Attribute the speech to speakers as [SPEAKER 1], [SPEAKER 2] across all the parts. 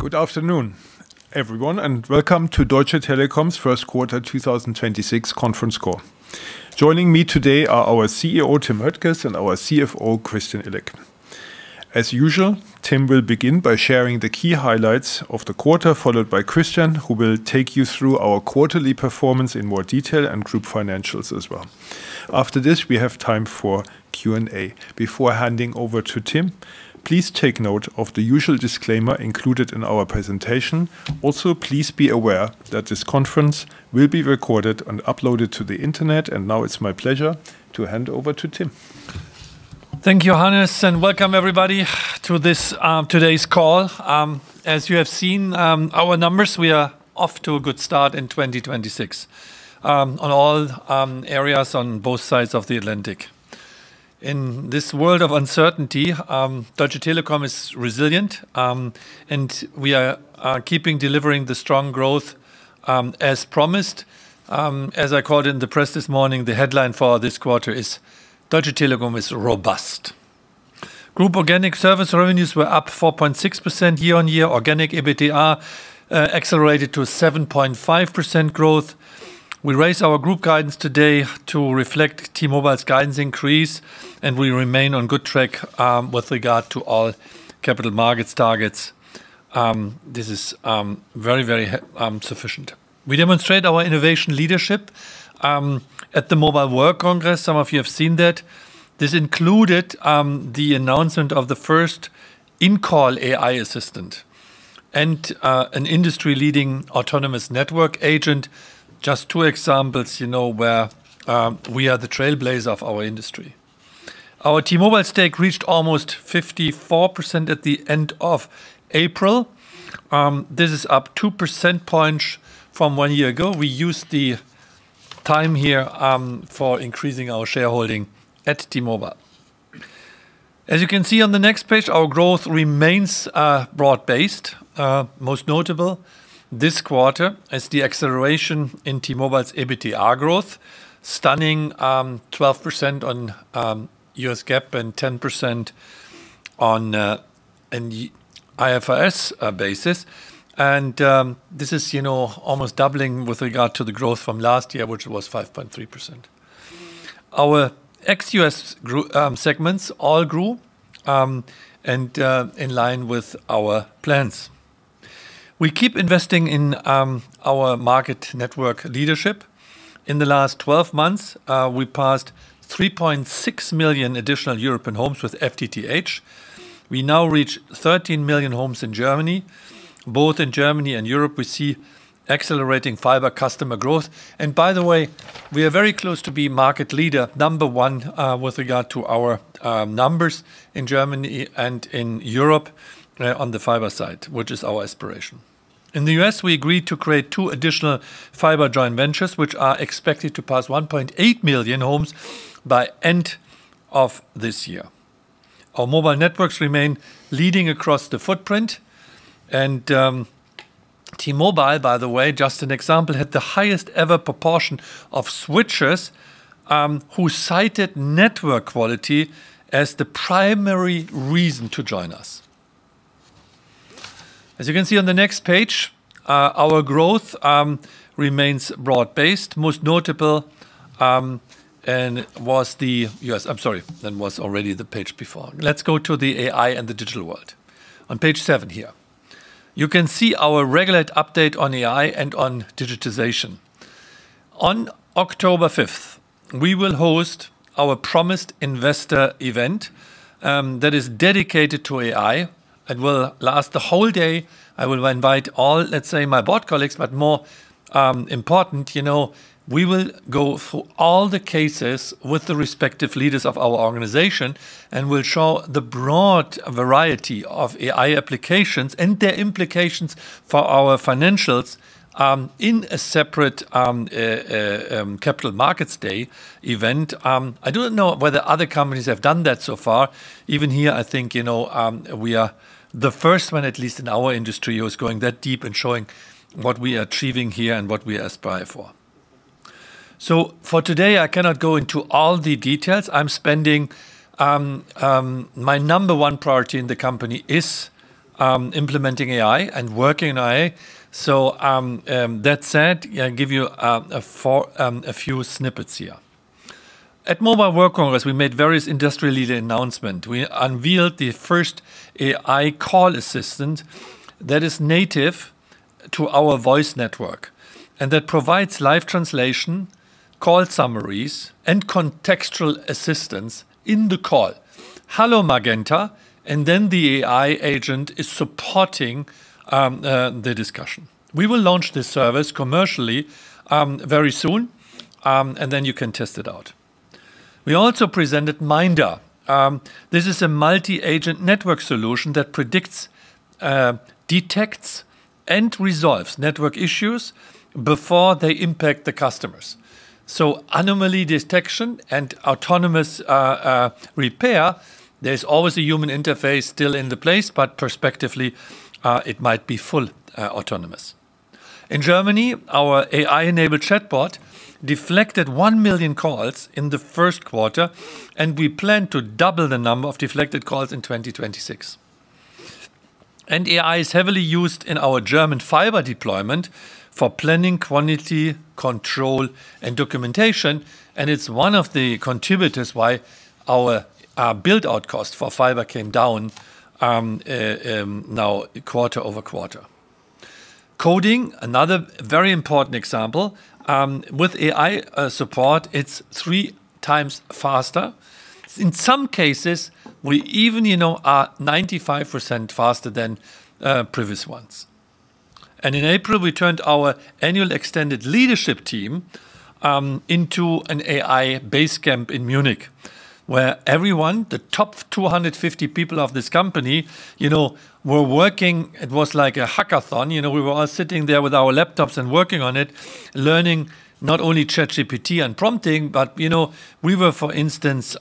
[SPEAKER 1] Good afternoon, everyone, and welcome to Deutsche Telekom's first quarter 2026 conference call. Joining me today are our CEO, Tim Höttges, and our CFO, Christian Illek. As usual, Tim will begin by sharing the key highlights of the quarter, followed by Christian, who will take you through our quarterly performance in more detail and group financials as well. After this, we have time for Q&A. Before handing over to Tim, please take note of the usual disclaimer included in our presentation. Also, please be aware that this conference will be recorded and uploaded to the internet. Now it's my pleasure to hand over to Tim.
[SPEAKER 2] Thank you, Hannes, welcome everybody to this today's call. As you have seen, our numbers, we are off to a good start in 2026 on all areas on both sides of the Atlantic. In this world of uncertainty, Deutsche Telekom is resilient, we are keeping delivering the strong growth as promised. As I called in the press this morning, the headline for this quarter is Deutsche Telekom is robust. Group organic service revenues were up 4.6% year-on-year. Organic EBITDA accelerated to 7.5% growth. We raise our group guidance today to reflect T-Mobile's guidance increase, we remain on good track with regard to all capital markets targets. This is very sufficient. We demonstrate our innovation leadership at the Mobile World Congress. Some of you have seen that. This included the announcement of the first in-call AI assistant and an industry-leading autonomous network agent. Just two examples, you know, where we are the trailblazer of our industry. Our T-Mobile stake reached almost 54% at the end of April. This is up 2 percentage points from one year ago. We used the time here for increasing our shareholding at T-Mobile. As you can see on the next page, our growth remains broad-based. Most notable this quarter is the acceleration in T-Mobile's EBITDA growth, stunning 12% on U.S. GAAP and 10% on IFRS basis. This is, you know, almost doubling with regard to the growth from last year, which was 5.3%. Our ex U.S. segments all grew in line with our plans. We keep investing in our market network leadership. In the last 12 months, we passed 3.6 million additional European homes with FTTH. We now reach 13 million homes in Germany. Both in Germany and Europe, we see accelerating fiber customer growth. By the way, we are very close to being market leader number one with regard to our numbers in Germany and in Europe on the fiber side, which is our aspiration. In the U.S., we agreed to create two additional fiber joint ventures, which are expected to pass 1.8 million homes by end of this year. Our mobile networks remain leading across the footprint. T-Mobile, by the way, just an example, had the highest ever proportion of switchers who cited network quality as the primary reason to join us. As you can see on the next page, our growth remains broad-based. Yes, I'm sorry. That was already the page before. Let's go to the AI and the digital world. On page seven here. You can see our regular update on AI and on digitization. On October 5th, we will host our promised investor event that is dedicated to AI. It will last the whole day. I will invite all, let's say, my board colleagues, but more important, you know, we will go through all the cases with the respective leaders of our organization and will show the broad variety of AI applications and their implications for our financials in a separate Capital Markets Day event. I do not know whether other companies have done that so far. Even here, I think, you know, we are the first one, at least in our industry, who is going that deep in showing what we are achieving here and what we aspire for. For today, I cannot go into all the details. My number 1 priority in the company is implementing AI and working in AI. That said, I give you a few snippets here. At Mobile World Congress, we made various industry leader announcement. We unveiled the first AI call assistant that is native to our voice network and that provides live translation, call summaries, and contextual assistance in the call. Hello Magenta, the AI agent is supporting the discussion. We will launch this service commercially very soon, you can test it out. We also presented MINDR. This is a multi-agent network solution that predicts, detects, and resolves network issues before they impact the customers. Anomaly detection and autonomous repair, there's always a human interface still in the place, but perspectively, it might be full autonomous. In Germany, our AI-enabled chatbot deflected 1 million calls in the first quarter, and we plan to double the number of deflected calls in 2026. AI is heavily used in our German fiber deployment for planning, quality, control, and documentation, and it's one of the contributors why our build-out cost for fiber came down now quarter-over-quarter. Coding, another very important example. With AI support, it's 3x faster. In some cases, we even are 95% faster than previous ones. In April, we turned our annual extended leadership team into an AI base camp in Munich where everyone, the top 250 people of this company, were working. It was like a hackathon. We were all sitting there with our laptops and working on it, learning not only ChatGPT and prompting, but we were, for instance,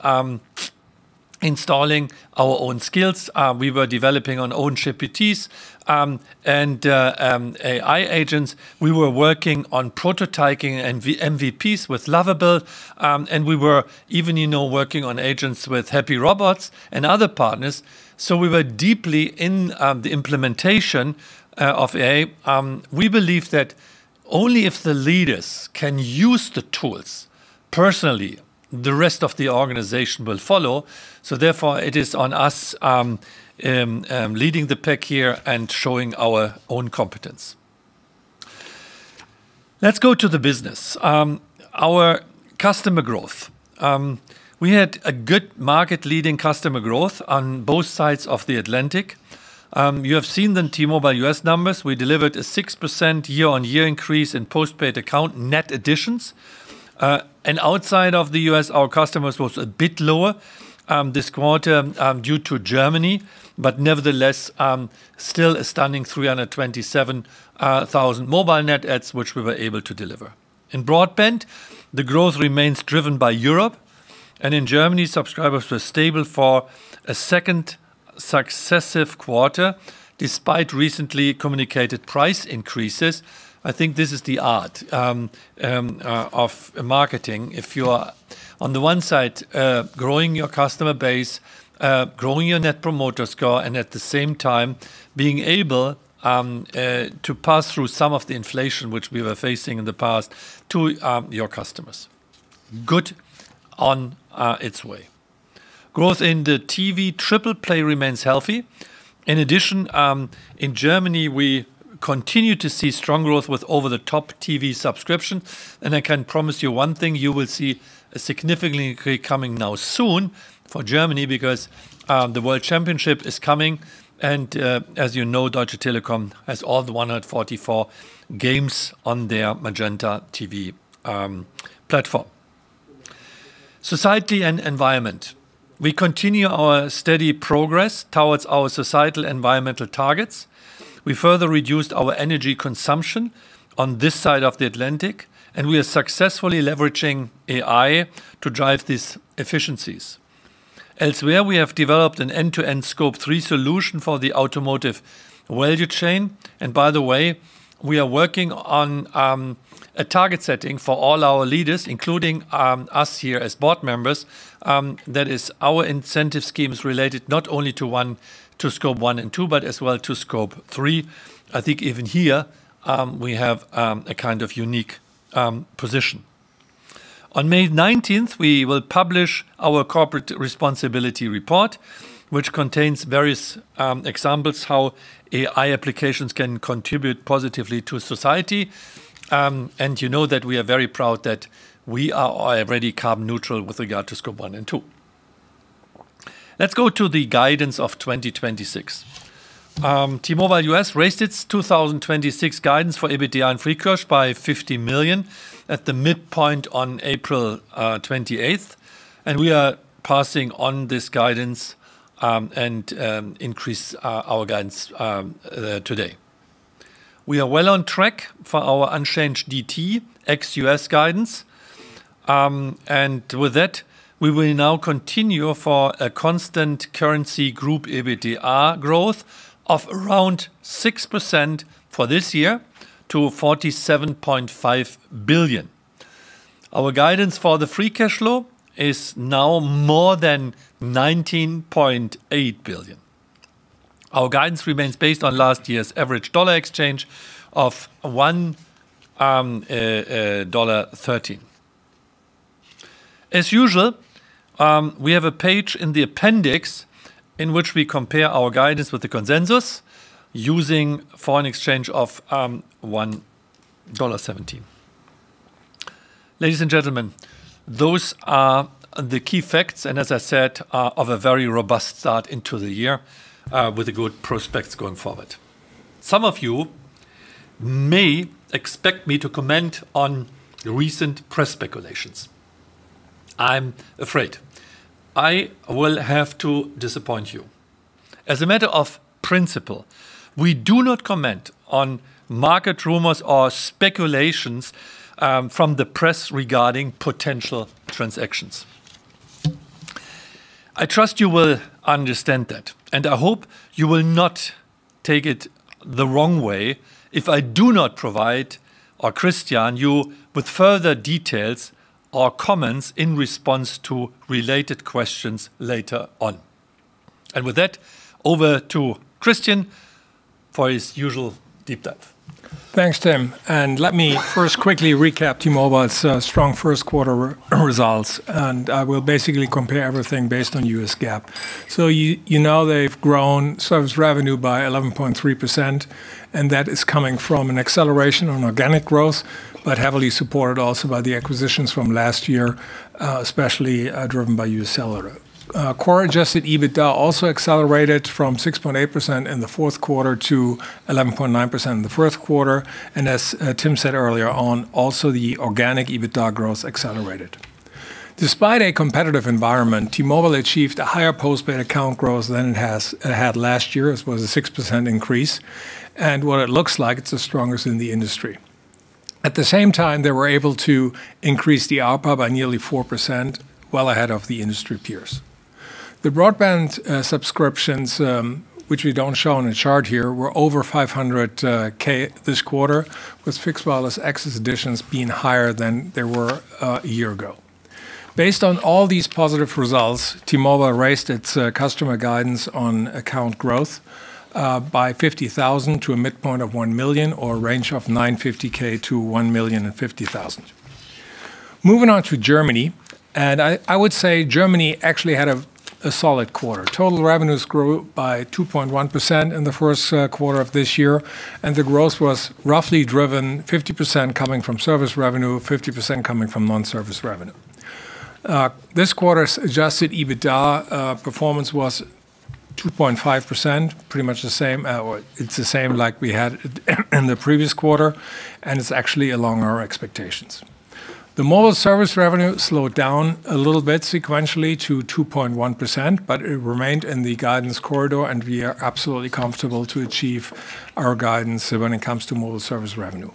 [SPEAKER 2] installing our own skills. We were developing our own GPTs and AI agents. We were working on prototyping and MVPs with Lovable, and we were even, you know, working on agents with HappyRobot and other partners. We were deeply in the implementation of AI. We believe that only if the leaders can use the tools personally, the rest of the organization will follow. It is on us leading the pack here and showing our own competence. Let's go to the business. Our customer growth. We had a good market-leading customer growth on both sides of the Atlantic. You have seen the T-Mobile US numbers. We delivered a 6% year-on-year increase in postpaid account net additions. Outside of the U.S., our customers was a bit lower this quarter due to Germany, but nevertheless, still a stunning 327,000 mobile net adds which we were able to deliver. In broadband, the growth remains driven by Europe, and in Germany, subscribers were stable for a second successive quarter despite recently communicated price increases. I think this is the art of marketing if you are on the one side growing your customer base, growing your Net Promoter Score, and at the same time being able to pass through some of the inflation which we were facing in the past to your customers. Good on its way. Growth in the Triple Play remains healthy. In addition, in Germany, we continue to see strong growth with over-the-top TV subscription, and I can promise you one thing, you will see a significant increase coming now soon for Germany because the World Championship is coming and, as you know, Deutsche Telekom has all the 144 games on their MagentaTV platform. Society and environment. We continue our steady progress towards our societal environmental targets. We further reduced our energy consumption on this side of the Atlantic, and we are successfully leveraging AI to drive these efficiencies. Elsewhere, we have developed an end-to-end Scope 3 solution for the automotive value chain. By the way, we are working on a target setting for all our leaders, including us here as board members, that is our incentive schemes related not only to Scope 1 and 2, but as well to Scope 3. I think even here, we have a kind of unique position. On May 19th, we will publish our corporate responsibility report, which contains various examples how AI applications can contribute positively to society. You know that we are very proud that we are already carbon neutral with regard to Scope 1 and 2. Let's go to the guidance of 2026. T-Mobile US raised its 2026 guidance for EBITDA and free cash by 50 million at the midpoint on April 28th. We are passing on this guidance and increase our guidance today. We are well on track for our unchanged DT ex U.S. guidance. With that, we will now continue for a constant currency group EBITDA growth of around 6% for this year to 47.5 billion. Our guidance for the free cash flow is now more than 19.8 billion. Our guidance remains based on last year's average dollar exchange of $1.13. As usual, we have a page in the appendix in which we compare our guidance with the consensus using foreign exchange of $1.17. Ladies and gentlemen, those are the key facts, and as I said, are of a very robust start into the year with the good prospects going forward. Some of you may expect me to comment on recent press speculations. I'm afraid I will have to disappoint you. As a matter of principle, we do not comment on market rumors or speculations from the press regarding potential transactions. I trust you will understand that, and I hope you will not take it the wrong way if I do not provide or Christian you with further details or comments in response to related questions later on. With that, over to Christian for his usual deep dive.
[SPEAKER 3] Thanks, Tim. Let me first quickly recap T-Mobile's strong first quarter results. I will basically compare everything based on U.S. GAAP. You know they've grown service revenue by 11.3%. That is coming from an acceleration on organic growth, but heavily supported also by the acquisitions from last year, especially driven by UScellular. Core-adjusted EBITDA also accelerated from 6.8% in the fourth quarter to 11.9% in the first quarter. As Tim said earlier on, also the organic EBITDA growth accelerated. Despite a competitive environment, T-Mobile achieved a higher postpaid account growth than it had last year. It was a 6% increase. What it looks like, it's the strongest in the industry. At the same time, they were able to increase the ARPA by nearly 4%, well ahead of the industry peers. The broadband subscriptions, which we don't show on the chart here, were over 500,000 this quarter, with fixed wireless access additions being higher than they were a year ago. Based on all these positive results, T-Mobile raised its customer guidance on account growth by 50,000 to a midpoint of 1 million or a range of 950,000-1,050,000. Moving on to Germany, I would say Germany actually had a solid quarter. Total revenues grew by 2.1% in the first quarter of this year, the growth was roughly driven 50% coming from service revenue, 50% coming from non-service revenue. This quarter's adjusted EBITDA performance was 2.5%, pretty much the same, or it's the same like we had it in the previous quarter, it's actually along our expectations. The mobile service revenue slowed down a little bit sequentially to 2.1%, but it remained in the guidance corridor, and we are absolutely comfortable to achieve our guidance when it comes to mobile service revenue.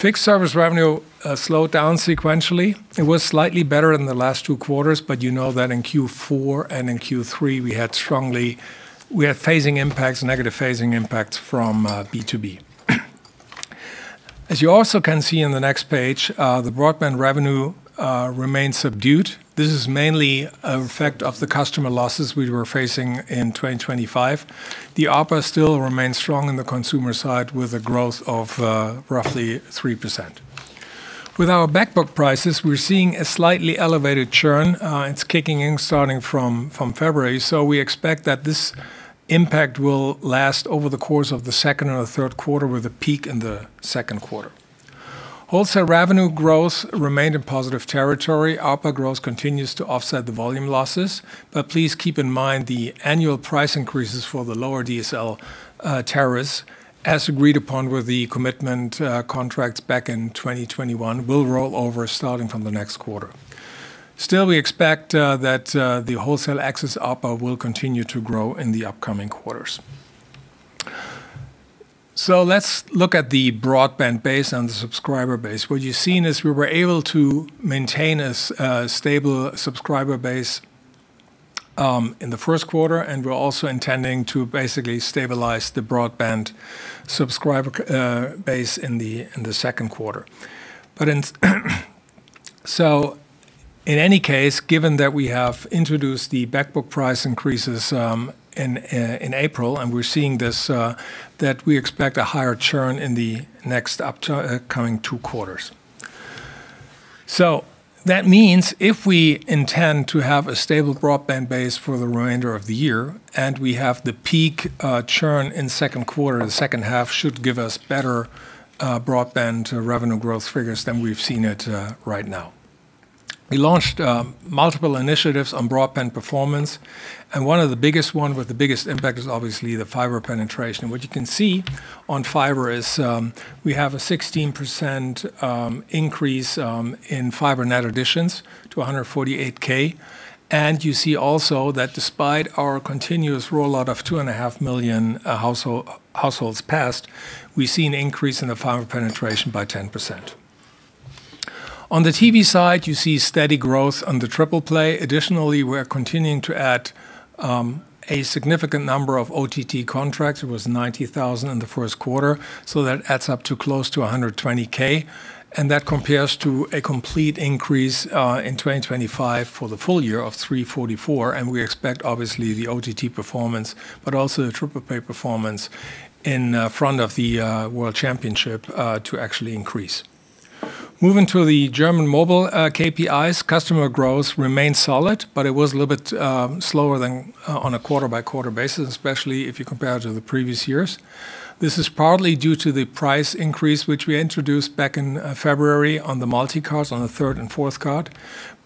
[SPEAKER 3] Fixed service revenue slowed down sequentially. It was slightly better in the last two quarters, but you know that in Q4 and in Q3 we have phasing impacts, negative phasing impacts from B2B. As you also can see in the next page, the broadband revenue remains subdued. This is mainly an effect of the customer losses we were facing in 2025. The ARPA still remains strong in the consumer side with a growth of roughly 3%. With our backbook prices, we're seeing a slightly elevated churn. It's kicking in starting from February, we expect that this impact will last over the course of the second or the third quarter with a peak in the second quarter. Wholesale revenue growth remained in positive territory. ARPA growth continues to offset the volume losses. Please keep in mind the annual price increases for the lower DSL tariffs as agreed upon with the commitment contracts back in 2021 will roll over starting from the next quarter. We expect that the wholesale access ARPA will continue to grow in the upcoming quarters. Let's look at the broadband base and the subscriber base. What you're seeing is we were able to maintain a stable subscriber base in the first quarter, and we're also intending to basically stabilize the broadband subscriber base in the second quarter. In any case, given that we have introduced the backbook price increases, in April and we're seeing this that we expect a higher churn in the next up to coming two quarters. That means if we intend to have a stable broadband base for the remainder of the year and we have the peak churn in second quarter, the second half should give us better broadband revenue growth figures than we've seen at right now. We launched multiple initiatives on broadband performance, and one of the biggest one with the biggest impact is obviously the fiber penetration. What you can see on fiber is we have a 16% increase in fiber net additions to 148,000. You see also that despite our continuous rollout of 2.5 million households passed, we see an increase in the fiber penetration by 10%. On the TV side, you see steady growth on the Triple Play. Additionally, we are continuing to add a significant number of OTT contracts. It was 90,000 in the first quarter, so that adds up to close to 120,000, and that compares to a complete increase in 2025 for the full year of 344, and we expect obviously the OTT performance, but also the Triple Play performance in front of the world championship to actually increase. Moving to the German mobile KPIs, customer growth remains solid, but it was a little bit slower than on a quarter-over-quarter basis, especially if you compare it to the previous years. This is partly due to the price increase, which we introduced back in February on the multi cards on the third and fourth card.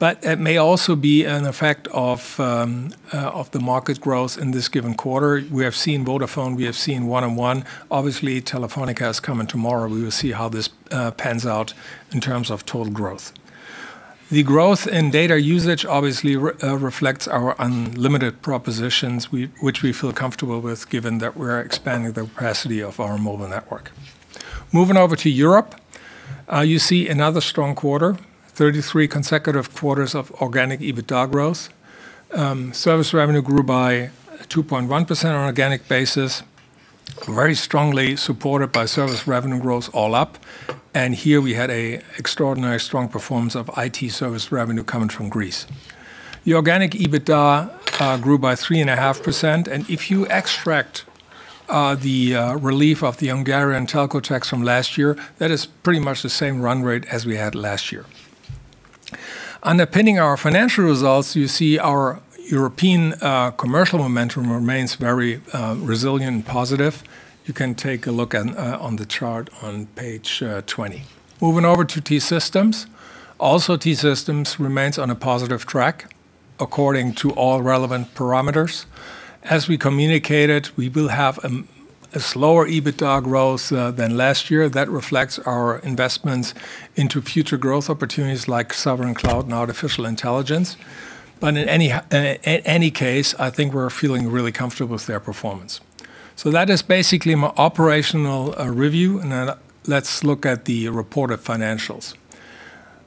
[SPEAKER 3] It may also be an effect of the market growth in this given quarter. We have seen Vodafone, we have seen 1&1. Obviously, Telefónica is coming tomorrow. We will see how this pans out in terms of total growth. The growth in data usage obviously reflects our unlimited propositions which we feel comfortable with given that we're expanding the capacity of our mobile network. Moving over to Europe. You see another strong quarter, 33 consecutive quarters of organic EBITDA growth. Service revenue grew by 2.1% on organic basis, very strongly supported by service revenue growth all up. Here we had a extraordinary strong performance of IT service revenue coming from Greece. The organic EBITDA grew by 3.5%, if you extract the relief of the Hungarian telco tax from last year, that is pretty much the same run rate as we had last year. Underpinning our financial results, you see our European commercial momentum remains very resilient and positive. You can take a look at on the chart on page 20. Moving over to T-Systems. T-Systems remains on a positive track according to all relevant parameters. As we communicated, we will have a slower EBITDA growth than last year. That reflects our investments into future growth opportunities like sovereign cloud and artificial intelligence. In any case, I think we're feeling really comfortable with their performance. That is basically my operational review, and then let's look at the reported financials.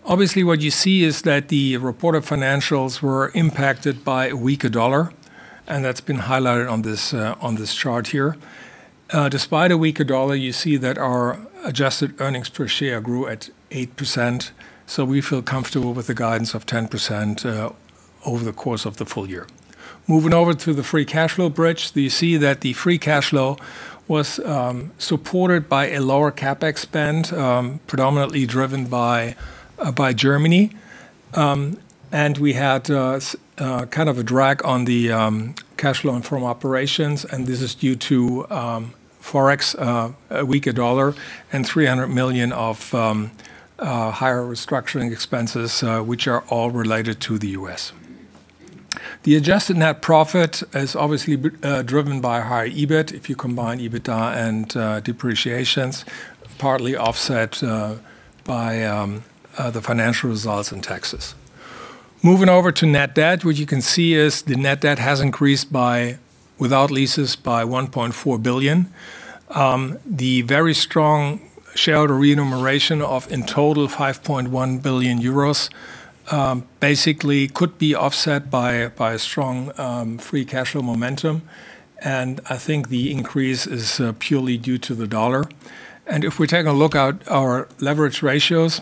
[SPEAKER 3] What you see is that the reported financials were impacted by a weaker dollar, and that's been highlighted on this on this chart here. Despite a weaker dollar, you see that our adjusted earnings per share grew at 8%, we feel comfortable with the guidance of 10% over the course of the full year. Moving over to the free cash flow bridge, you see that the free cash flow was supported by a lower CapEx spend, predominantly driven by Germany. We had kind of a drag on the cash flow from operations, this is due to Forex, a weaker dollar and 300 million of higher restructuring expenses, which are all related to the U.S. The adjusted net profit is obviously driven by higher EBIT, if you combine EBITDA and depreciations, partly offset by the financial results in taxes. Moving over to net debt, what you can see is the net debt has increased by, without leases, by 1.4 billion. The very strong shareholder remuneration of, in total, 5.1 billion euros, basically could be offset by strong free cash flow momentum, I think the increase is purely due to the dollar. If we take a look at our leverage ratios,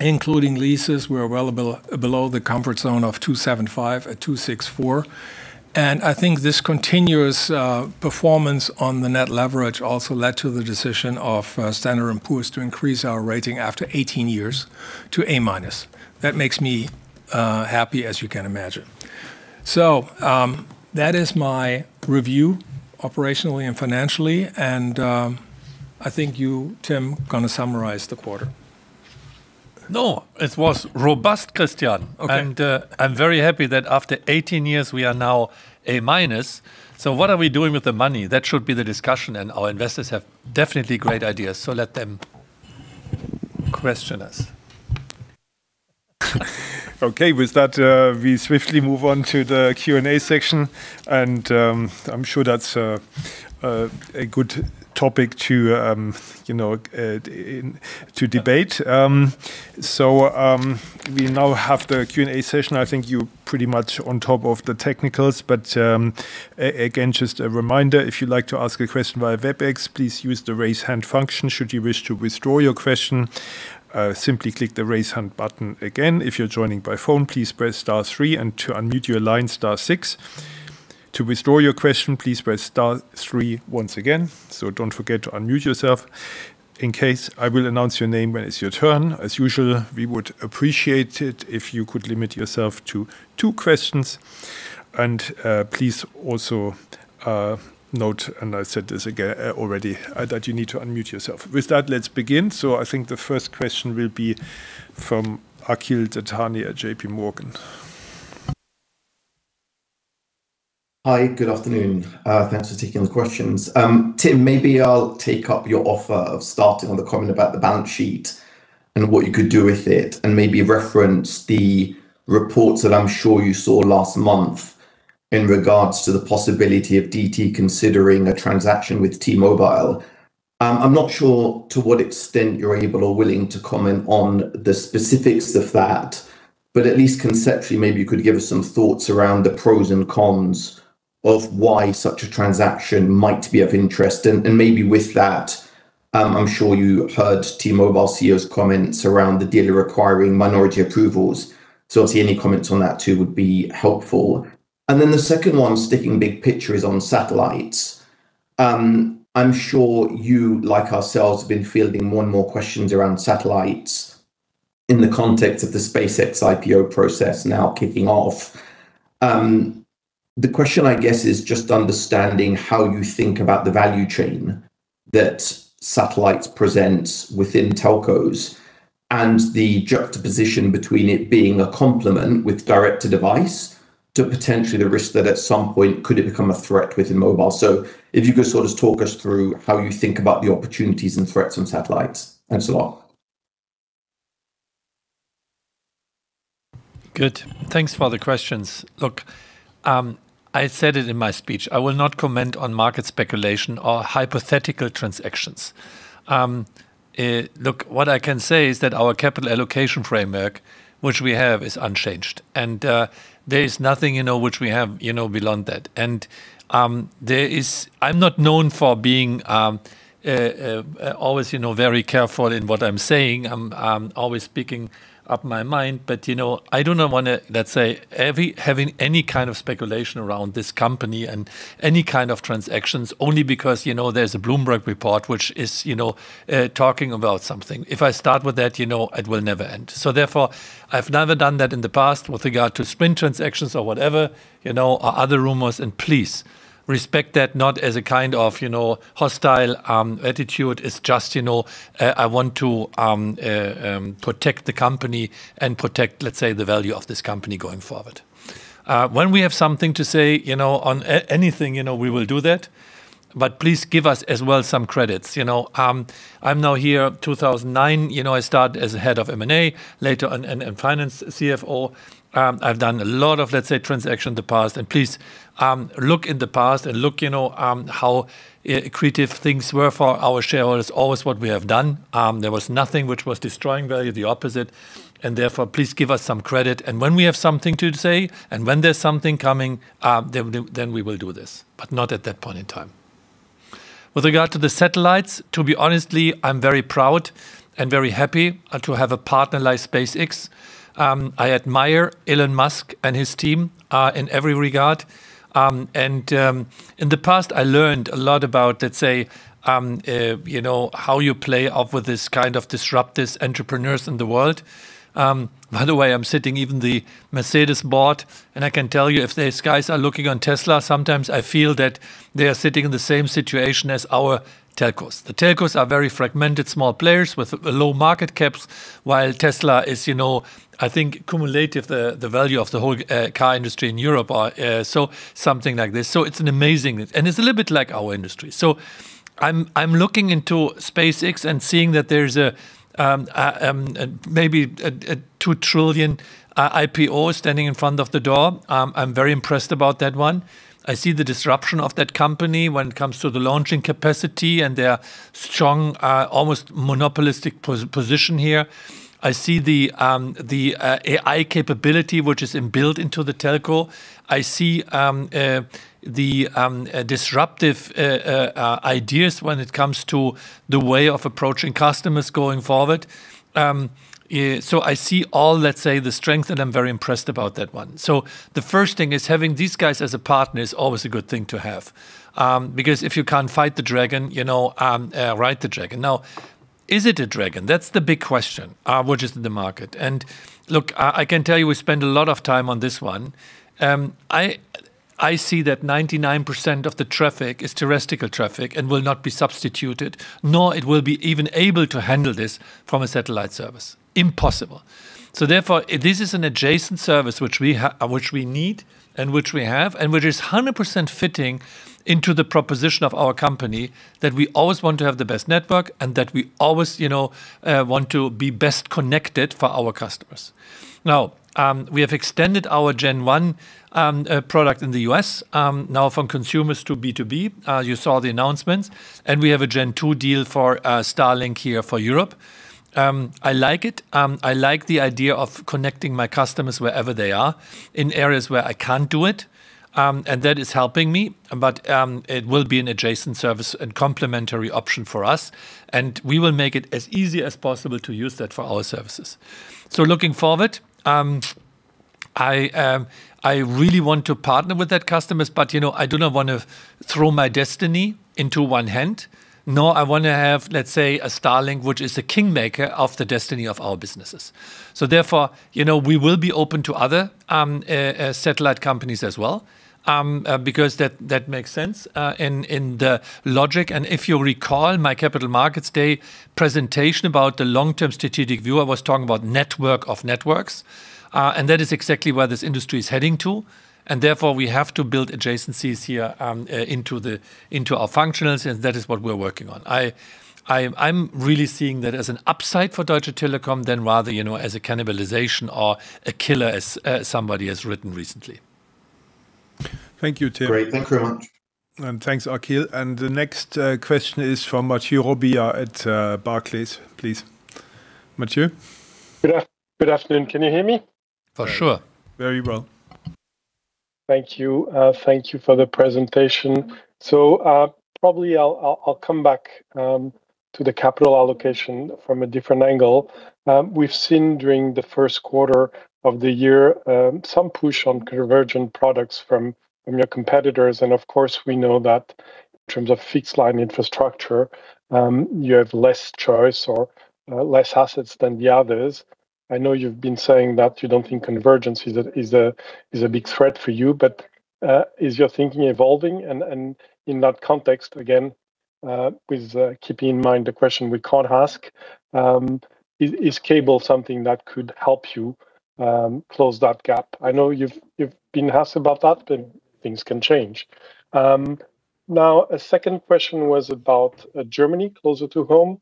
[SPEAKER 3] including leases, we are well below the comfort zone of 2.75x at 2.64x. I think this continuous performance on the net leverage also led to the decision of Standard & Poor's to increase our rating after 18 years to A-. That makes me happy, as you can imagine. That is my review operationally and financially, and I think you, Tim, gonna summarize the quarter.
[SPEAKER 2] No, it was robust, Christian.
[SPEAKER 3] Okay.
[SPEAKER 2] I'm very happy that after 18 years we are now A-. What are we doing with the money? That should be the discussion, and our investors have definitely great ideas, let them question us.
[SPEAKER 1] Okay. With that, we swiftly move on to the Q&A section. I'm sure that's a good topic to, you know, to debate. We now have the Q&A session. I think you're pretty much on top of the technicals, again, just a reminder, if you'd like to ask a question via Webex, please use the Raise Hand function. Should you wish to withdraw your question, simply click the Raise Hand button again. If you're joining by phone, please press star three, to unmute your line, star six. To withdraw your question, please press star three once again. Don't forget to unmute yourself. In case, I will announce your name when it's your turn. As usual, we would appreciate it if you could limit yourself to two questions. Please also note, and I said this already, that you need to unmute yourself. With that, let's begin. I think the first question will be from Akhil Dattani at JPMorgan.
[SPEAKER 4] Hi, good afternoon. Thanks for taking the questions. Tim, maybe I'll take up your offer of starting on the comment about the balance sheet and what you could do with it, and maybe reference the reports that I'm sure you saw last month in regards to the possibility of DT considering a transaction with T-Mobile. I'm not sure to what extent you're able or willing to comment on the specifics of that, but at least conceptually, maybe you could give us some thoughts around the pros and cons of why such a transaction might be of interest. Maybe with that, I'm sure you heard T-Mobile CEO's comments around the deal requiring minority approvals. Obviously any comments on that too would be helpful. The second one, sticking big picture, is on satellites. I'm sure you, like ourselves, have been fielding more and more questions around satellites in the context of the SpaceX IPO process now kicking off. The question I guess is just understanding how you think about the value chain that satellites present within telcos and the juxtaposition between it being a complement with direct-to-device to potentially the risk that at some point could it become a threat within mobile. If you could sort of talk us through how you think about the opportunities and threats on satellites. Thanks a lot.
[SPEAKER 2] Good. Thanks for the questions. Look, I said it in my speech, I will not comment on market speculation or hypothetical transactions. Look, what I can say is that our capital allocation framework which we have is unchanged, and there is nothing, you know, which we have, you know, beyond that. I'm not known for being, always, you know, very careful in what I'm saying. I'm always speaking up my mind. You know, I do not wanna, let's say, ever having any kind of speculation around this company and any kind of transactions only because, you know, there's a Bloomberg report which is, you know, talking about something. If I start with that, you know, it will never end. I've never done that in the past with regard to spin transactions or whatever, you know, or other rumors. Please respect that not as a kind of, you know, hostile attitude. It's just, you know, I want to protect the company and protect, let's say, the value of this company going forward. When we have something to say, you know, on anything, you know, we will do that. Please give us as well some credits, you know. I'm now here 2009, you know, I start as a head of M&A, later in finance, CFO. I've done a lot of, let's say, transaction in the past. Please look in the past and look, you know, how creative things were for our shareholders, always what we have done. There was nothing which was destroying value, the opposite. Therefore, please give us some credit. When we have something to say and when there's something coming, then we will do this, but not at that point in time. With regard to the satellites, to be honestly, I'm very proud and very happy to have a partner like SpaceX. I admire Elon Musk and his team in every regard. And in the past, I learned a lot about, let's say, you know, how you play off with this kind of disruptors entrepreneurs in the world. By the way, I'm sitting even the Mercedes board, and I can tell you if these guys are looking on Tesla, sometimes I feel that they are sitting in the same situation as our telcos. The telcos are very fragmented small players with low market caps, while Tesla is, you know, I think cumulative the value of the whole car industry in Europe, something like this. It's an amazing, and it's a little bit like our industry. I'm looking into SpaceX and seeing that there's a maybe a 2 trillion IPO standing in front of the door. I'm very impressed about that one. I see the disruption of that company when it comes to the launching capacity and their strong, almost monopolistic position here. I see the AI capability which is inbuilt into the telco. I see the disruptive ideas when it comes to the way of approaching customers going forward. I see all, let's say, the strength, and I'm very impressed about that one. The first thing is having these guys as a partner is always a good thing to have. Because if you can't fight the dragon, you know, ride the dragon. Now, is it a dragon? That's the big question, which is the market. Look, I can tell you we spend a lot of time on this one. I see that 99% of the traffic is terrestrial traffic and will not be substituted, nor it will be even able to handle this from a satellite service. Impossible. This is an adjacent service which we need and which we have, and which is 100% fitting into the proposition of our company that we always want to have the best network and that we always, you know, want to be best connected for our customers. We have extended our Gen One product in the U.S. now from consumers to B2B, you saw the announcements, and we have a Gen Two deal for Starlink here for Europe. I like it. I like the idea of connecting my customers wherever they are in areas where I can't do it. That is helping me. It will be an adjacent service and complementary option for us, and we will make it as easy as possible to use that for our services. Looking forward, I really wanna partner with that customers, but, you know, I do not wanna throw my destiny into one hand, nor I wanna have, let's say, a Starlink which is a kingmaker of the destiny of our businesses. Therefore, you know, we will be open to other satellite companies as well, because that makes sense in the logic. If you recall my Capital Markets Day presentation about the long-term strategic view, I was talking about network of networks, and that is exactly where this industry is heading to. Therefore, we have to build adjacencies here into our functionalities, and that is what we're working on. I'm really seeing that as an upside for Deutsche Telekom than rather, you know, as a cannibalization or a killer, as somebody has written recently.
[SPEAKER 1] Thank you, Tim.
[SPEAKER 4] Great. Thank you very much.
[SPEAKER 1] Thanks, Akhil. The next question is from Mathieu Robilliard at Barclays, please. Mathieu?
[SPEAKER 5] Good afternoon. Can you hear me?
[SPEAKER 2] For sure.
[SPEAKER 1] Very well.
[SPEAKER 5] Thank you. Thank you for the presentation. Probably I'll come back to the capital allocation from a different angle. We've seen during the first quarter of the year, some push on convergent products from your competitors. Of course, we know that in terms of fixed line infrastructure, you have less choice or less assets than the others. I know you've been saying that you don't think convergence is a big threat for you. Is your thinking evolving? In that context, again, with keeping in mind the question we can't ask, is cable something that could help you close that gap? I know you've been harsh about that, things can change. A second question was about Germany closer to home.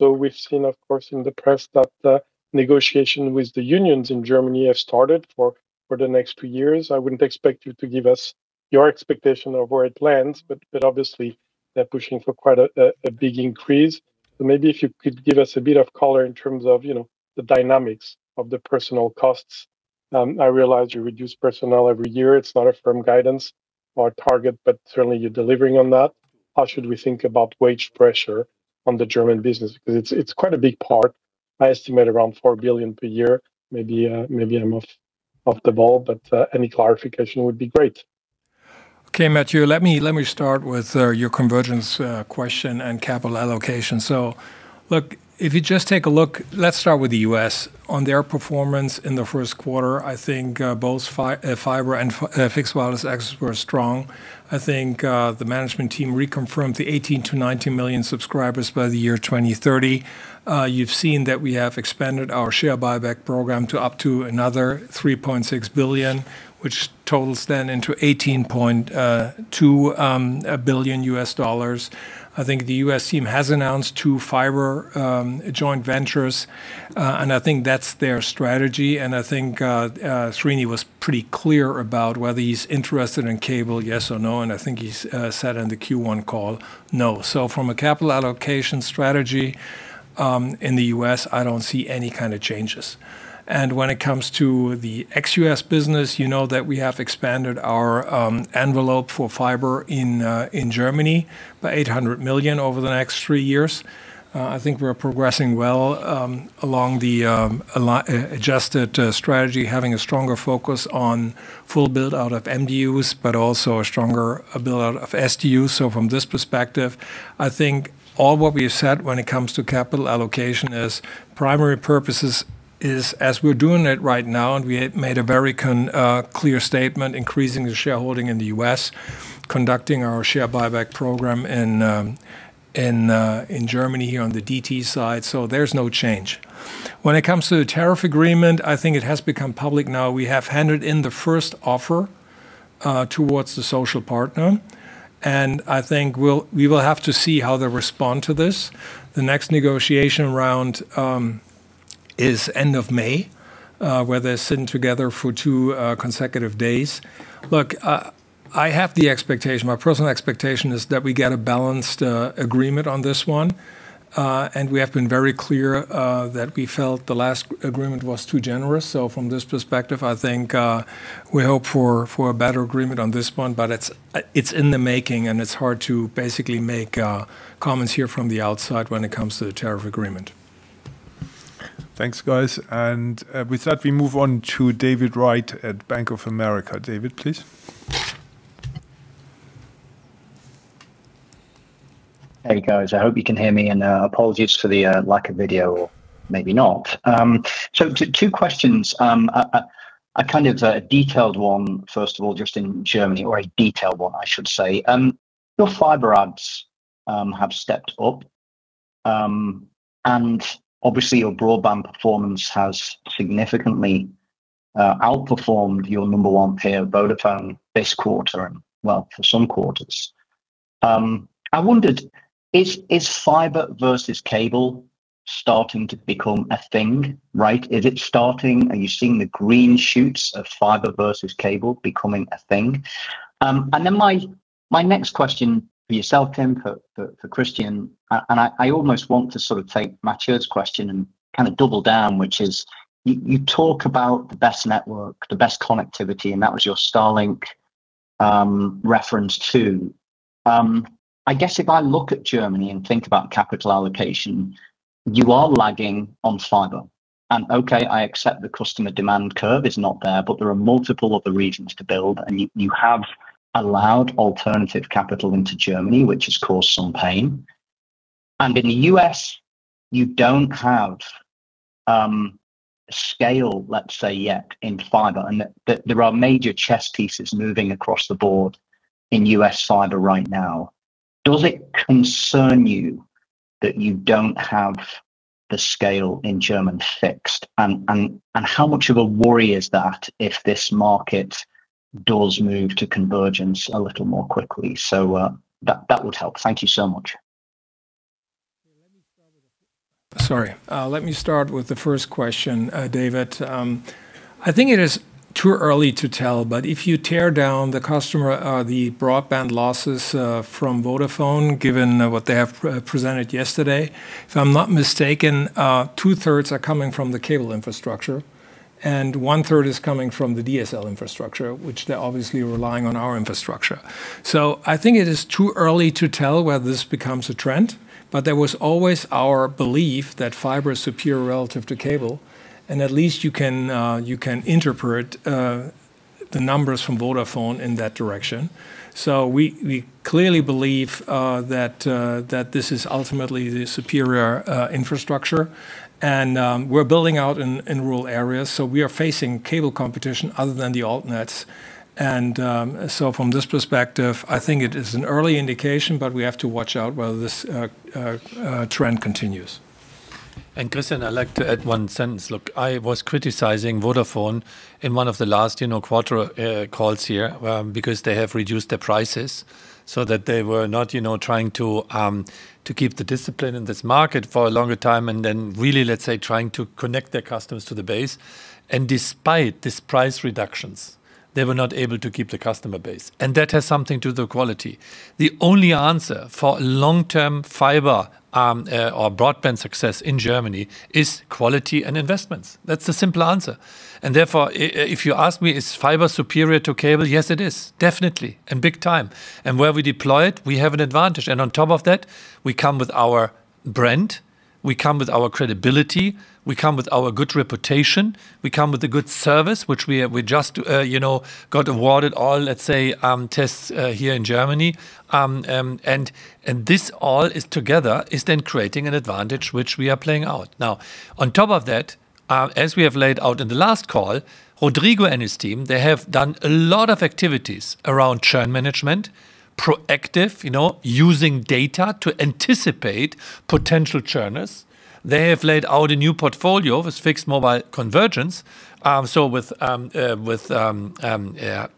[SPEAKER 5] We've seen, of course, in the press that negotiation with the unions in Germany have started for the next two years. I wouldn't expect you to give us your expectation of where it lands, but obviously they're pushing for quite a big increase. Maybe if you could give us a bit of color in terms of, you know, the dynamics of the personnel costs. I realize you reduce personnel every year. It's not a firm guidance or a target, but certainly you're delivering on that. How should we think about wage pressure on the German business? Because it's quite a big part. I estimate around 4 billion per year. Maybe I'm off the ball, but any clarification would be great.
[SPEAKER 3] Okay, Mathieu, let me start with your convergence question and capital allocation. Look, if you just take a look, let's start with the U.S. On their performance in the first quarter, I think, both fiber and fixed wireless access were strong. I think, the management team reconfirmed the 18 million-19 million subscribers by the year 2030. You've seen that we have expanded our share buyback program to up to another $3.6 billion, which totals then into $18.2 billion U.S. dollars. I think the U.S. team has announced two fiber joint ventures. I think that's their strategy. I think, Srini was pretty clear about whether he's interested in cable, yes or no. I think he's said on the Q1 call no. From a capital allocation strategy, in the U.S., I don't see any kind of changes. When it comes to the ex-U.S. business, you know that we have expanded our envelope for fiber in Germany by 800 million over the next three years. I think we're progressing well along the adjusted strategy, having a stronger focus on full build-out of MDUs, but also a stronger build-out of SDUs. From this perspective, I think all what we have said when it comes to capital allocation is primary purposes is, as we're doing it right now, and we made a very clear statement increasing the shareholding in the U.S., conducting our share buyback program in Germany here on the DT side, so there's no change. When it comes to the tariff agreement, I think it has become public now. We have handed in the first offer towards the social partner, and I think we will have to see how they respond to this. The next negotiation round is end of May, where they're sitting together for two consecutive days. Look, I have the expectation, my personal expectation is that we get a balanced agreement on this one. We have been very clear that we felt the last agreement was too generous. From this perspective, I think, we hope for a better agreement on this one, but it's in the making, and it's hard to basically make comments here from the outside when it comes to the tariff agreement.
[SPEAKER 1] Thanks, guys. With that, we move on to David Wright at Bank of America. David, please.
[SPEAKER 6] Hey, guys. I hope you can hear me, and apologies for the lack of video or maybe not. Two questions. A kind of a detailed one, first of all, just in Germany, or a detailed one, I should say. Your fiber ads have stepped up, and obviously your broadband performance has significantly outperformed your number one payer, Vodafone, this quarter and, well, for some quarters. I wondered, is fiber versus cable starting to become a thing, right? Is it starting? Are you seeing the green shoots of fiber versus cable becoming a thing? My, my next question for yourself, Tim, for Christian, and I almost want to sort of take Mathieu's question and kind of double down, which is you talk about the best network, the best connectivity, and that was your Starlink reference too. I guess if I look at Germany and think about capital allocation, you are lagging on fiber. Okay, I accept the customer demand curve is not there, but there are multiple other regions to build, and you have allowed alternative capital into Germany, which has caused some pain. In the U.S., you don't have scale, let's say, yet in fiber, there are major chess pieces moving across the board in U.S. fiber right now. Does it concern you that you don't have the scale in German fixed?. How much of a worry is that if this market does move to convergence a little more quickly? That would help. Thank you so much.
[SPEAKER 3] Sorry. Let me start with the first question, David. I think it is too early to tell, but if you tear down the customer, the broadband losses from Vodafone, given what they have presented yesterday, if I'm not mistaken, two-thirds are coming from the cable infrastructure, and one-third is coming from the DSL infrastructure, which they're obviously relying on our infrastructure. I think it is too early to tell whether this becomes a trend, but that was always our belief that fiber is superior relative to cable. At least you can interpret the numbers from Vodafone in that direction. We clearly believe that this is ultimately the superior infrastructure. We're building out in rural areas, so we are facing cable competition other than the alt nets. From this perspective, I think it is an early indication, but we have to watch out whether this trend continues.
[SPEAKER 2] Christian, I'd like to add one sentence. Look, I was criticizing Vodafone in one of the last, you know, quarter calls here, because they have reduced their prices so that they were not, you know, trying to keep the discipline in this market for a longer time and then really, let's say, trying to connect their customers to the base. Despite these price reductions, they were not able to keep the customer base, and that has something to do with quality. The only answer for long-term fiber or broadband success in Germany is quality and investments. That's the simple answer. Therefore, if you ask me is fiber superior to cable, yes, it is. Definitely, and big time. Where we deploy it, we have an advantage. On top of that, we come with our brand, we come with our credibility, we come with our good reputation, we come with the good service which we just, you know, got awarded all, let's say, tests here in Germany. This all is together is then creating an advantage which we are playing out. On top of that, as we have laid out in the last call, Rodrigo and his team, they have done a lot of activities around churn management, proactive, you know, using data to anticipate potential churners. They have laid out a new portfolio of this fixed mobile convergence, so with a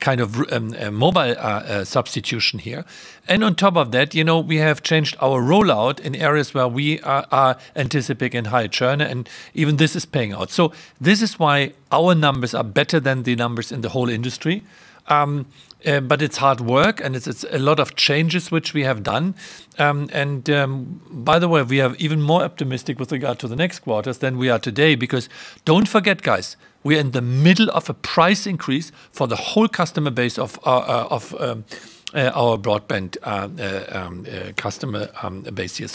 [SPEAKER 2] kind of a mobile substitution here. On top of that, you know, we have changed our rollout in areas where we are anticipating high churn, and even this is paying out. This is why our numbers are better than the numbers in the whole industry. It's hard work, and it's a lot of changes which we have done. By the way, we are even more optimistic with regard to the next quarters than we are today because don't forget, guys, we're in the middle of a price increase for the whole customer base of our broadband customer base here.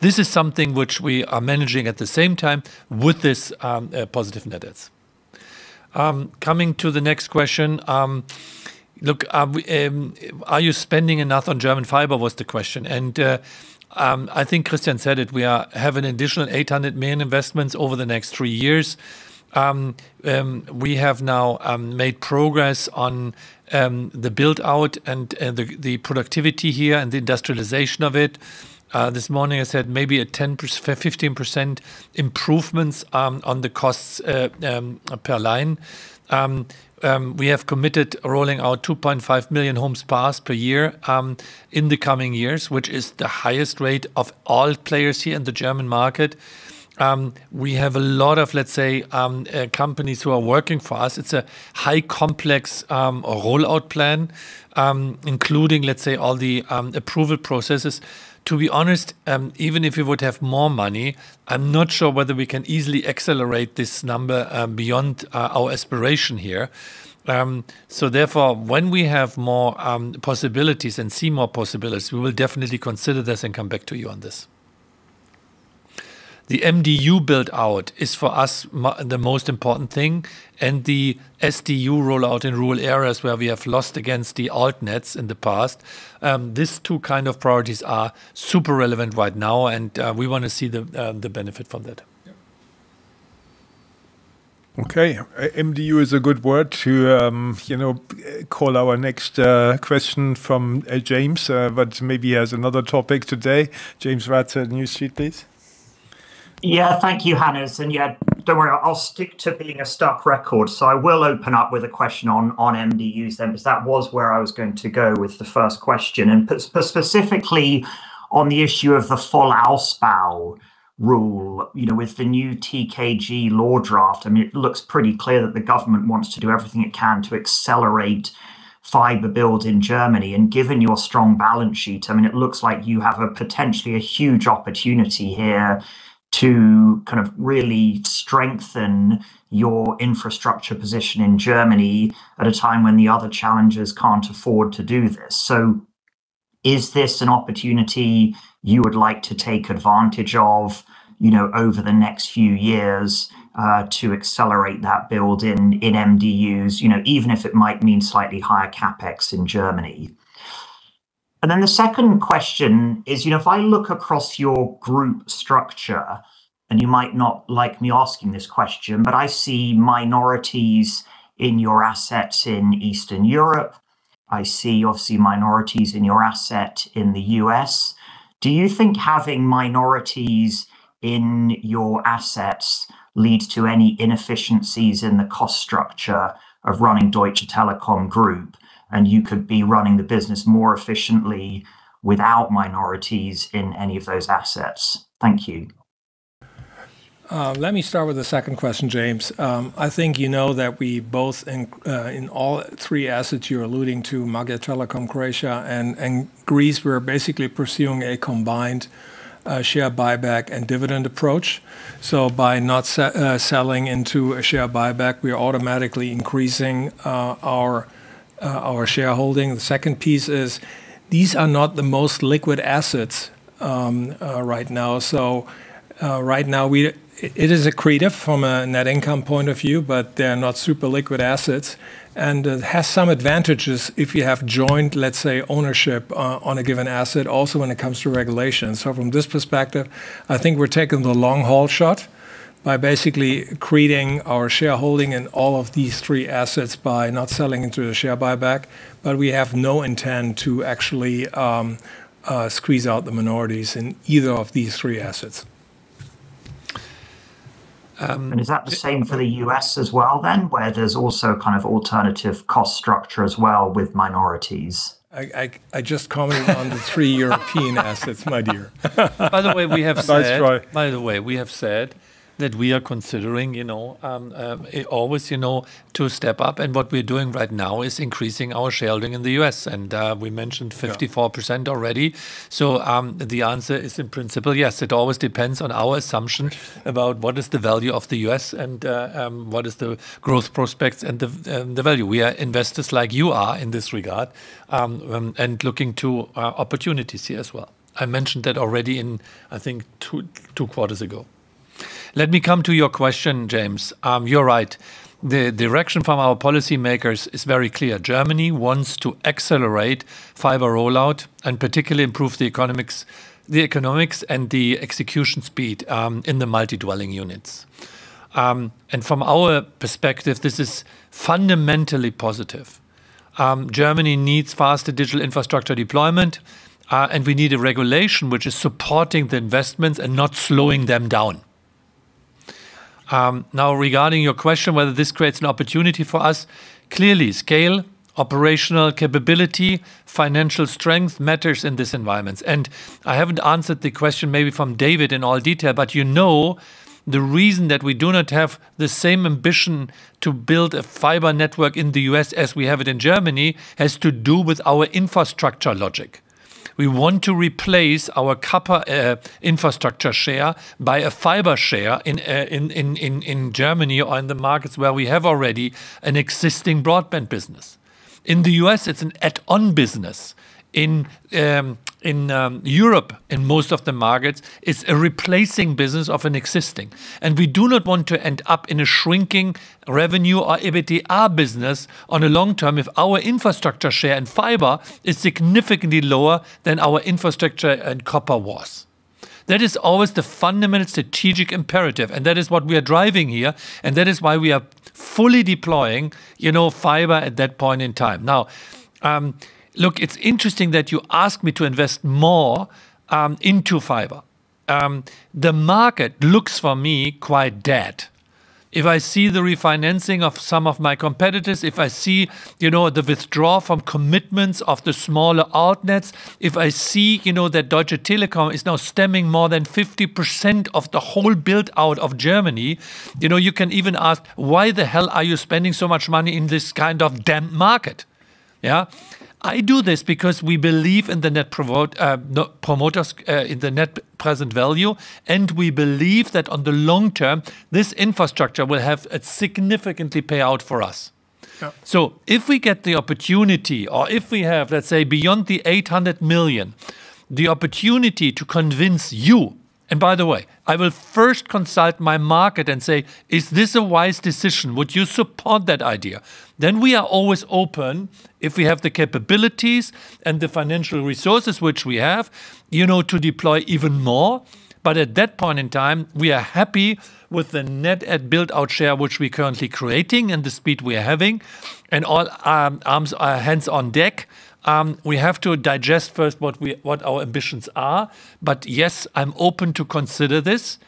[SPEAKER 2] This is something which we are managing at the same time with this positive net adds. Coming to the next question. Are you spending enough on German fiber was the question. I think Christian said it. We have an additional 800 million investments over the next three years. We have now made progress on the build-out and the productivity here and the industrialization of it. This morning I said maybe a 10%-15% improvements on the costs per line. We have committed rolling out 2.5 million homes passed per year in the coming years, which is the highest rate of all players here in the German market. We have a lot of, let's say, companies who are working for us. It's a high complex rollout plan, including, let's say, all the approval processes. To be honest, even if we would have more money, I'm not sure whether we can easily accelerate this number beyond our aspiration here. Therefore, when we have more possibilities and see more possibilities, we will definitely consider this and come back to you on this. The MDU build-out is for us the most important thing, and the SDU rollout in rural areas where we have lost against the alt nets in the past, these two kind of priorities are super relevant right now and we wanna see the benefit from that.
[SPEAKER 3] Yeah.
[SPEAKER 1] Okay. MDU is a good word to, you know, call our next question from James. Maybe he has another topic today. James Ratzer, New Street, please.
[SPEAKER 7] Thank you, Hannes. Yeah, don't worry, I'll stick to being a stuck record. I will open up with a question on MDUs then, 'cause that was where I was going to go with the first question. Specifically on the issue of the Vollausbau rule, you know, with the new Telekommunikationsgesetz law draft, I mean, it looks pretty clear that the government wants to do everything it can to accelerate fiber build in Germany. Given your strong balance sheet, I mean, it looks like you have a potentially a huge opportunity here to kind of really strengthen your infrastructure position in Germany at a time when the other challengers can't afford to do this. Is this an opportunity you would like to take advantage of, you know, over the next few years, to accelerate that build in MDUs? You know, even if it might mean slightly higher CapEx in Germany. The second question is, you know, if I look across your group structure. You might not like me asking this question, but I see minorities in your assets in Eastern Europe. I see obviously minorities in your asset in the U.S. Do you think having minorities in your assets leads to any inefficiencies in the cost structure of running Deutsche Telekom Group, and you could be running the business more efficiently without minorities in any of those assets? Thank you.
[SPEAKER 3] Let me start with the second question, James. I think you know that we both in all three assets you're alluding to, Magyar Telekom, Croatia and Greece, we're basically pursuing a combined share buyback and dividend approach. By not selling into a share buyback, we are automatically increasing our shareholding. The second piece is these are not the most liquid assets right now. Right now it is accretive from a net income point of view, but they're not super liquid assets. It has some advantages if you have joint, let's say, ownership on a given asset, also when it comes to regulations. From this perspective, I think we're taking the long haul shot by basically creating our shareholding in all of these three assets by not selling into a share buyback, but we have no intent to actually squeeze out the minorities in either of these three assets.
[SPEAKER 7] Is that the same for the U.S. as well then, where there's also kind of alternative cost structure as well with minorities?
[SPEAKER 3] I just commented on the three European assets, my dear.
[SPEAKER 2] By the way, we have said-
[SPEAKER 3] Nice try.
[SPEAKER 2] By the way, we have said that we are considering, you know, always, you know, to step up. What we're doing right now is increasing our sharing in the U.S. and, we mentioned 54% already
[SPEAKER 3] Yeah.
[SPEAKER 2] The answer is, in principle, yes. It always depends on our assumption about what is the value of the U.S. and what is the growth prospects and the value. We are investors like you are in this regard, and looking to opportunities here as well. I mentioned that already in, I think, two quarters ago. Let me come to your question, James. You're right. The direction from our policymakers is very clear. Germany wants to accelerate fiber rollout and particularly improve the economics and the execution speed in the multi-dwelling units. From our perspective, this is fundamentally positive. Germany needs faster digital infrastructure deployment, and we need a regulation which is supporting the investments and not slowing them down. Now regarding your question whether this creates an opportunity for us, clearly scale, operational capability, financial strength matters in this environment. I haven't answered the question maybe from David in all detail, but you know the reason that we do not have the same ambition to build a fiber network in the U.S. as we have it in Germany has to do with our infrastructure logic. We want to replace our copper infrastructure share by a fiber share in Germany or in the markets where we have already an existing broadband business. In the U.S., it's an add-on business. In Europe in most of the markets, it's a replacing business of an existing. We do not want to end up in a shrinking revenue or EBITDA business on the long term if our infrastructure share and fiber is significantly lower than our infrastructure and copper was. That is always the fundamental strategic imperative, and that is what we are driving here, and that is why we are fully deploying, you know, fiber at that point in time. Now, look, it's interesting that you ask me to invest more into fiber. The market looks for me quite dead. If I see the refinancing of some of my competitors, if I see, you know, the withdrawal from commitments of the smaller altnets, if I see, you know, that Deutsche Telekom is now stemming more than 50% of the whole build-out of Germany, you know, you can even ask, "Why the hell are you spending so much money in this kind of damn market?" Yeah. I do this because we believe in the net present value, and we believe that on the long term this infrastructure will have a significantly payout for us.
[SPEAKER 3] Yeah.
[SPEAKER 2] If we get the opportunity or if we have, let's say, beyond the 800 million, the opportunity to convince you. By the way, I will first consult my market and say, "Is this a wise decision? Would you support that idea?" We are always open if we have the capabilities and the financial resources, which we have, you know, to deploy even more. At that point in time, we are happy with the net add build-out share which we're currently creating and the speed we are having and all our arms, hands on deck. We have to digest first what our ambitions are. Yes, I'm open to consider this.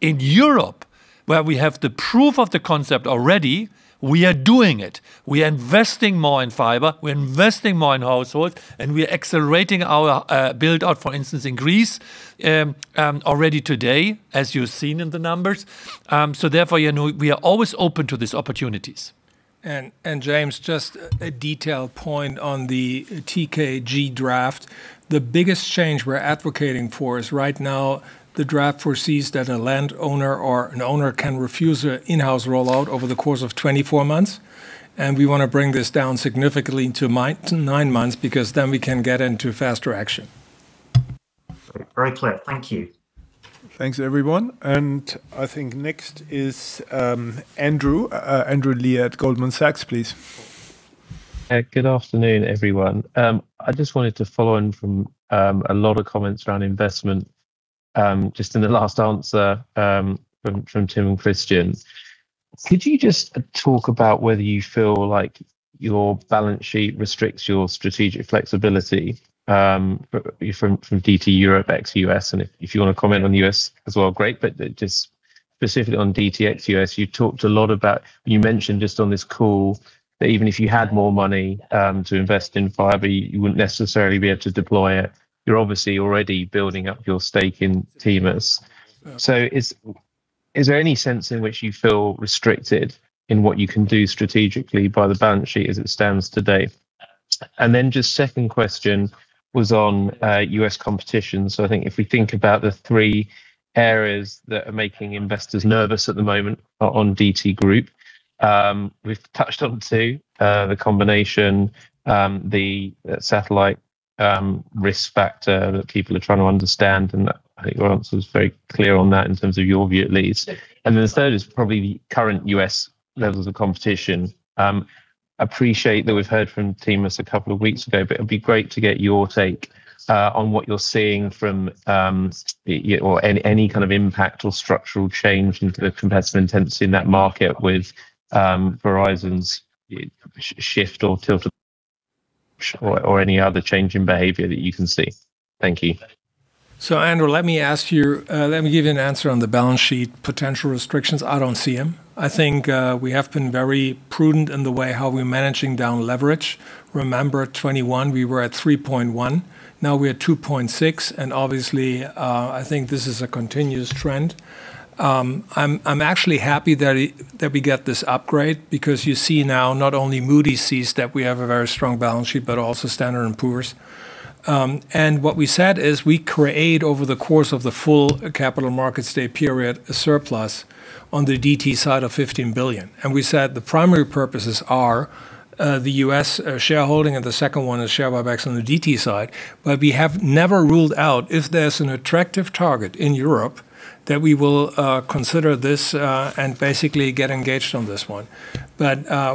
[SPEAKER 2] In Europe, where we have the proof of the concept already, we are doing it. We are investing more in fiber, we're investing more in households, and we are accelerating our build-out, for instance, in Greece, already today, as you've seen in the numbers. Therefore, you know, we are always open to these opportunities.
[SPEAKER 3] James, just a detail point on the TKG draft. The biggest change we're advocating for is right now the draft foresees that a land owner or an owner can refuse a in-house rollout over the course of 24 months, and we wanna bring this down significantly to nine months because then we can get into faster action.
[SPEAKER 7] Very clear. Thank you.
[SPEAKER 1] Thanks, everyone. I think next is Andrew Lee at Goldman Sachs, please.
[SPEAKER 8] Good afternoon, everyone. I just wanted to follow on from a lot of comments around investment just in the last answer from Tim and Christian. Could you just talk about whether you feel like your balance sheet restricts your strategic flexibility from DT Europe ex-U.S.? If you want to comment on U.S. as well, great, but just specifically on DT ex-U.S. You talked a lot about, you mentioned just on this call that even if you had more money to invest in fiber, you wouldn't necessarily be able to deploy it. You are obviously already building up your stake in T-Mobile US.
[SPEAKER 3] Yeah.
[SPEAKER 8] Is there any sense in which you feel restricted in what you can do strategically by the balance sheet as it stands today? Then just second question was on U.S. competition. I think if we think about the three areas that are making investors nervous at the moment on DT group, we've touched on two, the combination, the satellite risk factor that people are trying to understand, and I think your answer was very clear on that in terms of your view at least. Then the third is probably the current U.S. levels of competition. Appreciate that we've heard from Tim a couple of weeks ago, but it'd be great to get your take on what you're seeing from any kind of impact or structural change into the competitive intensity in that market with Verizon's shift or tilt, or any other change in behavior that you can see? Thank you.
[SPEAKER 3] Andrew, let me ask you, let me give you an answer on the balance sheet potential restrictions. I don't see 'em. I think we have been very prudent in the way how we're managing down leverage. Remember 2021, we were at 3.1x, now we are 2.6x, and obviously, I think this is a continuous trend. I'm actually happy that we get this upgrade because you see now not only Moody's sees that we have a very strong balance sheet, but also Standard & Poor's. What we said is we create, over the course of the full Capital Markets Day period, a surplus on the DT side of 15 billion. We said the primary purposes are the U.S. shareholding, and the second one is share buybacks on the DT side. We have never ruled out if there's an attractive target in Europe that we will consider this and basically get engaged on this one.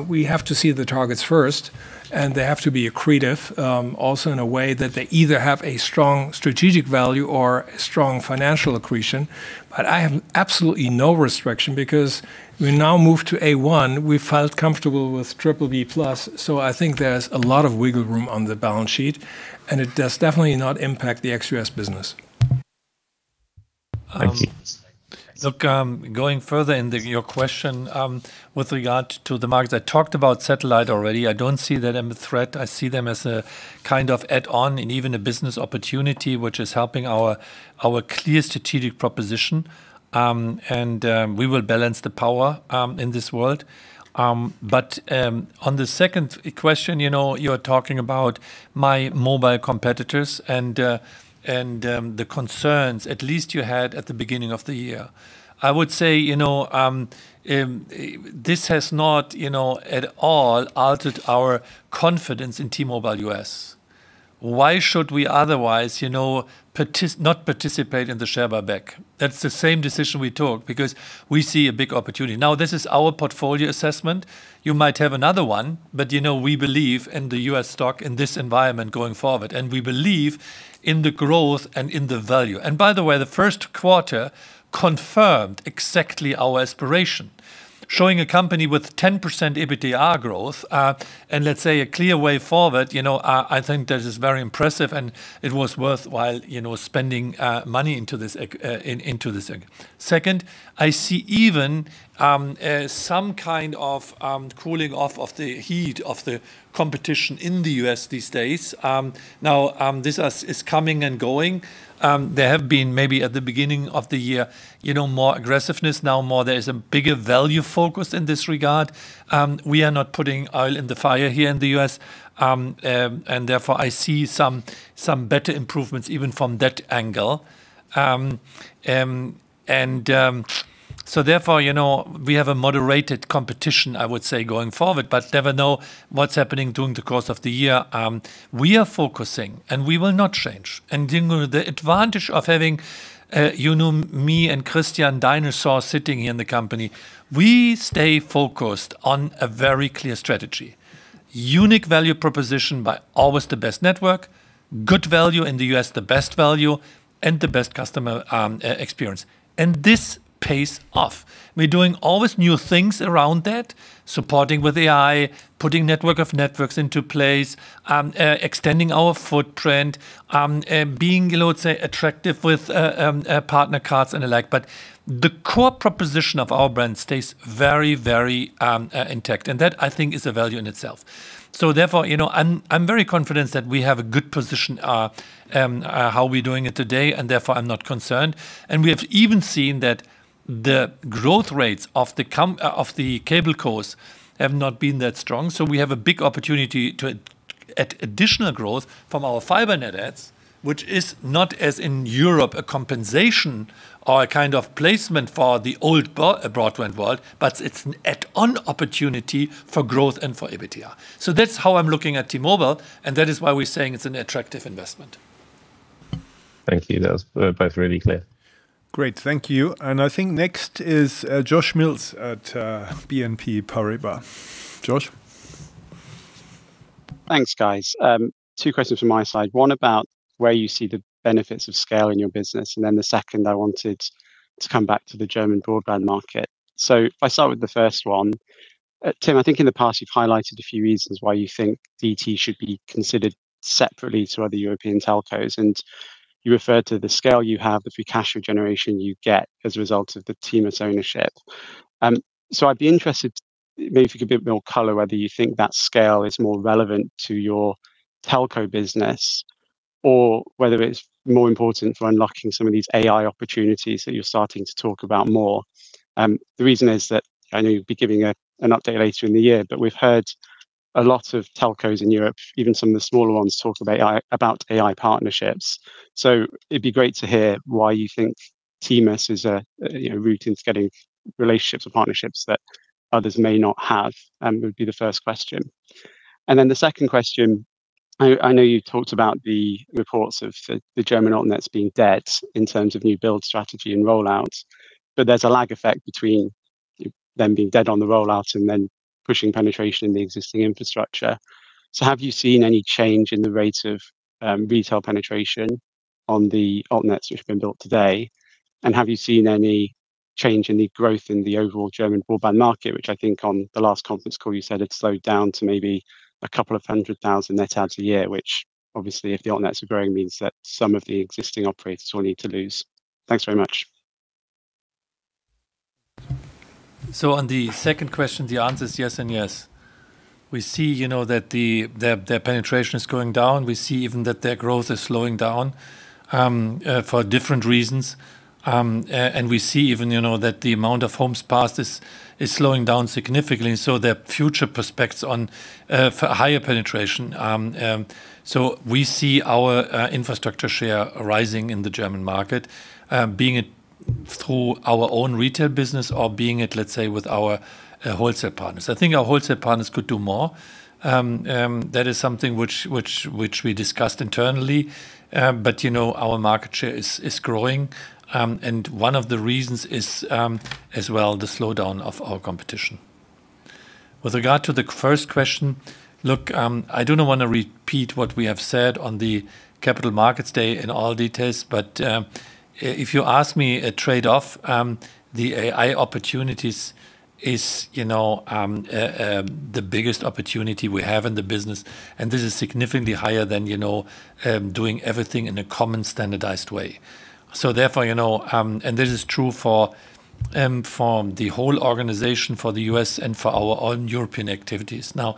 [SPEAKER 3] We have to see the targets first, and they have to be accretive, also in a way that they either have a strong strategic value or strong financial accretion. I have absolutely no restriction because we now move to A1. We felt comfortable with BBB+, I think there's a lot of wiggle room on the balance sheet, and it does definitely not impact the ex U.S. business.
[SPEAKER 8] Thank you.
[SPEAKER 2] Look, going further in the, your question, with regard to the markets, I talked about satellite already. I don't see them a threat. I see them as a kind of add-on and even a business opportunity, which is helping our clear strategic proposition. We will balance the power in this world. On the second question, you know, you're talking about my mobile competitors and, the concerns at least you had at the beginning of the year. I would say, you know, this has not, you know, at all altered our confidence in T-Mobile US. Why should we otherwise, you know, not participate in the share buyback? That's the same decision we took because we see a big opportunity. Now, this is our portfolio assessment. You might have another one, but, you know, we believe in the U.S. stock in this environment going forward, and we believe in the growth and in the value. By the way, the first quarter confirmed exactly our aspiration, showing a company with 10% EBITDA growth, and let's say a clear way forward. You know, I think this is very impressive, and it was worthwhile, you know, spending money into this. Second, I see even some kind of cooling off of the heat of the competition in the U.S. these days. Now, this is coming and going. There have been maybe at the beginning of the year, you know, more aggressiveness. Now more there is a bigger value focus in this regard. We are not putting oil in the fire here in the U.S., I see some better improvements even from that angle. You know, we have a moderated competition, I would say, going forward, but never know what's happening during the course of the year. We are focusing, we will not change. The advantage of having, you know, me and Christian dinosaurs sitting here in the company, we stay focused on a very clear strategy. Unique value proposition by always the best network, good value in the U.S., the best value, and the best customer e-experience. This pays off. We're doing always new things around that, supporting with AI, putting network of networks into place, extending our footprint, being, let's say, attractive with partner cards and the like. The core proposition of our brand stays very, very intact, and that, I think is a value in itself. Therefore, you know, I'm very confident that we have a good position how we're doing it today, and therefore, I'm not concerned. We have even seen that the growth rates of the cable companies have not been that strong. We have a big opportunity to add additional growth from our fiber net adds, which is not as in Europe, a compensation or a kind of placement for the old broadband world, but it's an add-on opportunity for growth and for EBITDA. That's how I'm looking at T-Mobile, and that is why we're saying it's an attractive investment.
[SPEAKER 8] Thank you. That was both really clear.
[SPEAKER 1] Great. Thank you. I think next is Josh Mills at BNP Paribas. Josh?
[SPEAKER 9] Thanks, guys. Two questions from my side. One about where you see the benefits of scale in your business, and then the second I wanted to come back to the German broadband market. If I start with the first one, Tim, I think in the past you've highlighted a few reasons why you think Deutsche Telekom should be considered separately to other European telcos, and you referred to the scale you have, the free cash flow generation you get as a result of the T-Mobile US ownership. I'd be interested maybe if you could give a bit more color whether you think that scale is more relevant to your telco business or whether it's more important for unlocking some of these AI opportunities that you're starting to talk about more. The reason is that I know you'll be giving a, an update later in the year, we've heard a lot of telcos in Europe, even some of the smaller ones, talk about AI, about AI partnerships. It'd be great to hear why you think T-Mobile US is a, you know, route into getting relationships or partnerships that others may not have, would be the first question. The second question, I know you talked about the reports of the German altnets being dead in terms of new build strategy and rollout, there's a lag effect between them being dead on the rollout and then pushing penetration in the existing infrastructure. Have you seen any change in the rate of, retail penetration on the altnets which have been built to date? Have you seen any change in the growth in the overall German broadband market, which I think on the last conference call you said had slowed down to maybe 200,000 net adds a year. Which obviously, if the altnets are growing, means that some of the existing operators will need to lose. Thanks very much.
[SPEAKER 2] On the second question, the answer is yes and yes. We see, you know, that their penetration is going down. We see even that their growth is slowing down for different reasons. We see even, you know, that the amount of homes passed is slowing down significantly. Their future prospects on higher penetration. We see our infrastructure share rising in the German market, being it through our own retail business or being it, let's say, with our wholesale partners. I think our wholesale partners could do more. That is something which we discussed internally. You know, our market share is growing. One of the reasons is as well the slowdown of our competition. With regard to the first question, look, I do not wanna repeat what we have said on the Capital Markets Day in all details, but if you ask me a trade-off, the AI opportunities is, you know, the biggest opportunity we have in the business, and this is significantly higher than, you know, doing everything in a common standardized way. Therefore, you know, and this is true for the whole organization, for the U.S. and for our own European activities. Now,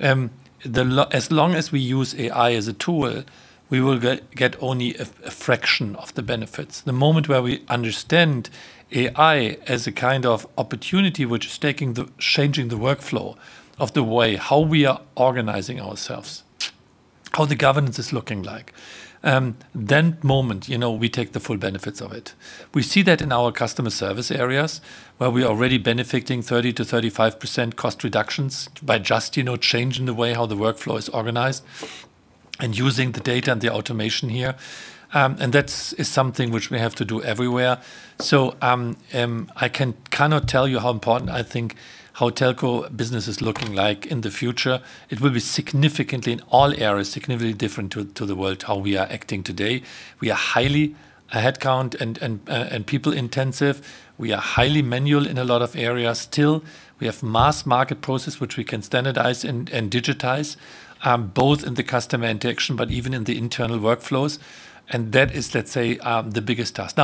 [SPEAKER 2] as long as we use AI as a tool, we will get only a fraction of the benefits. The moment where we understand AI as a kind of opportunity which is changing the workflow of the way how we are organizing ourselves, how the governance is looking like, then moment, you know, we take the full benefits of it. We see that in our customer service areas where we are already benefiting 30%-35% cost reductions by just, you know, changing the way how the workflow is organized and using the data and the automation here. That's is something which we have to do everywhere. I cannot tell you how important I think how telco business is looking like in the future. It will be significantly, in all areas, significantly different to the world how we are acting today. We are highly a headcount and people-intensive. We are highly manual in a lot of areas still. We have mass market process which we can standardize and digitize, both in the customer interaction, but even in the internal workflows, and that is, let's say, the biggest task.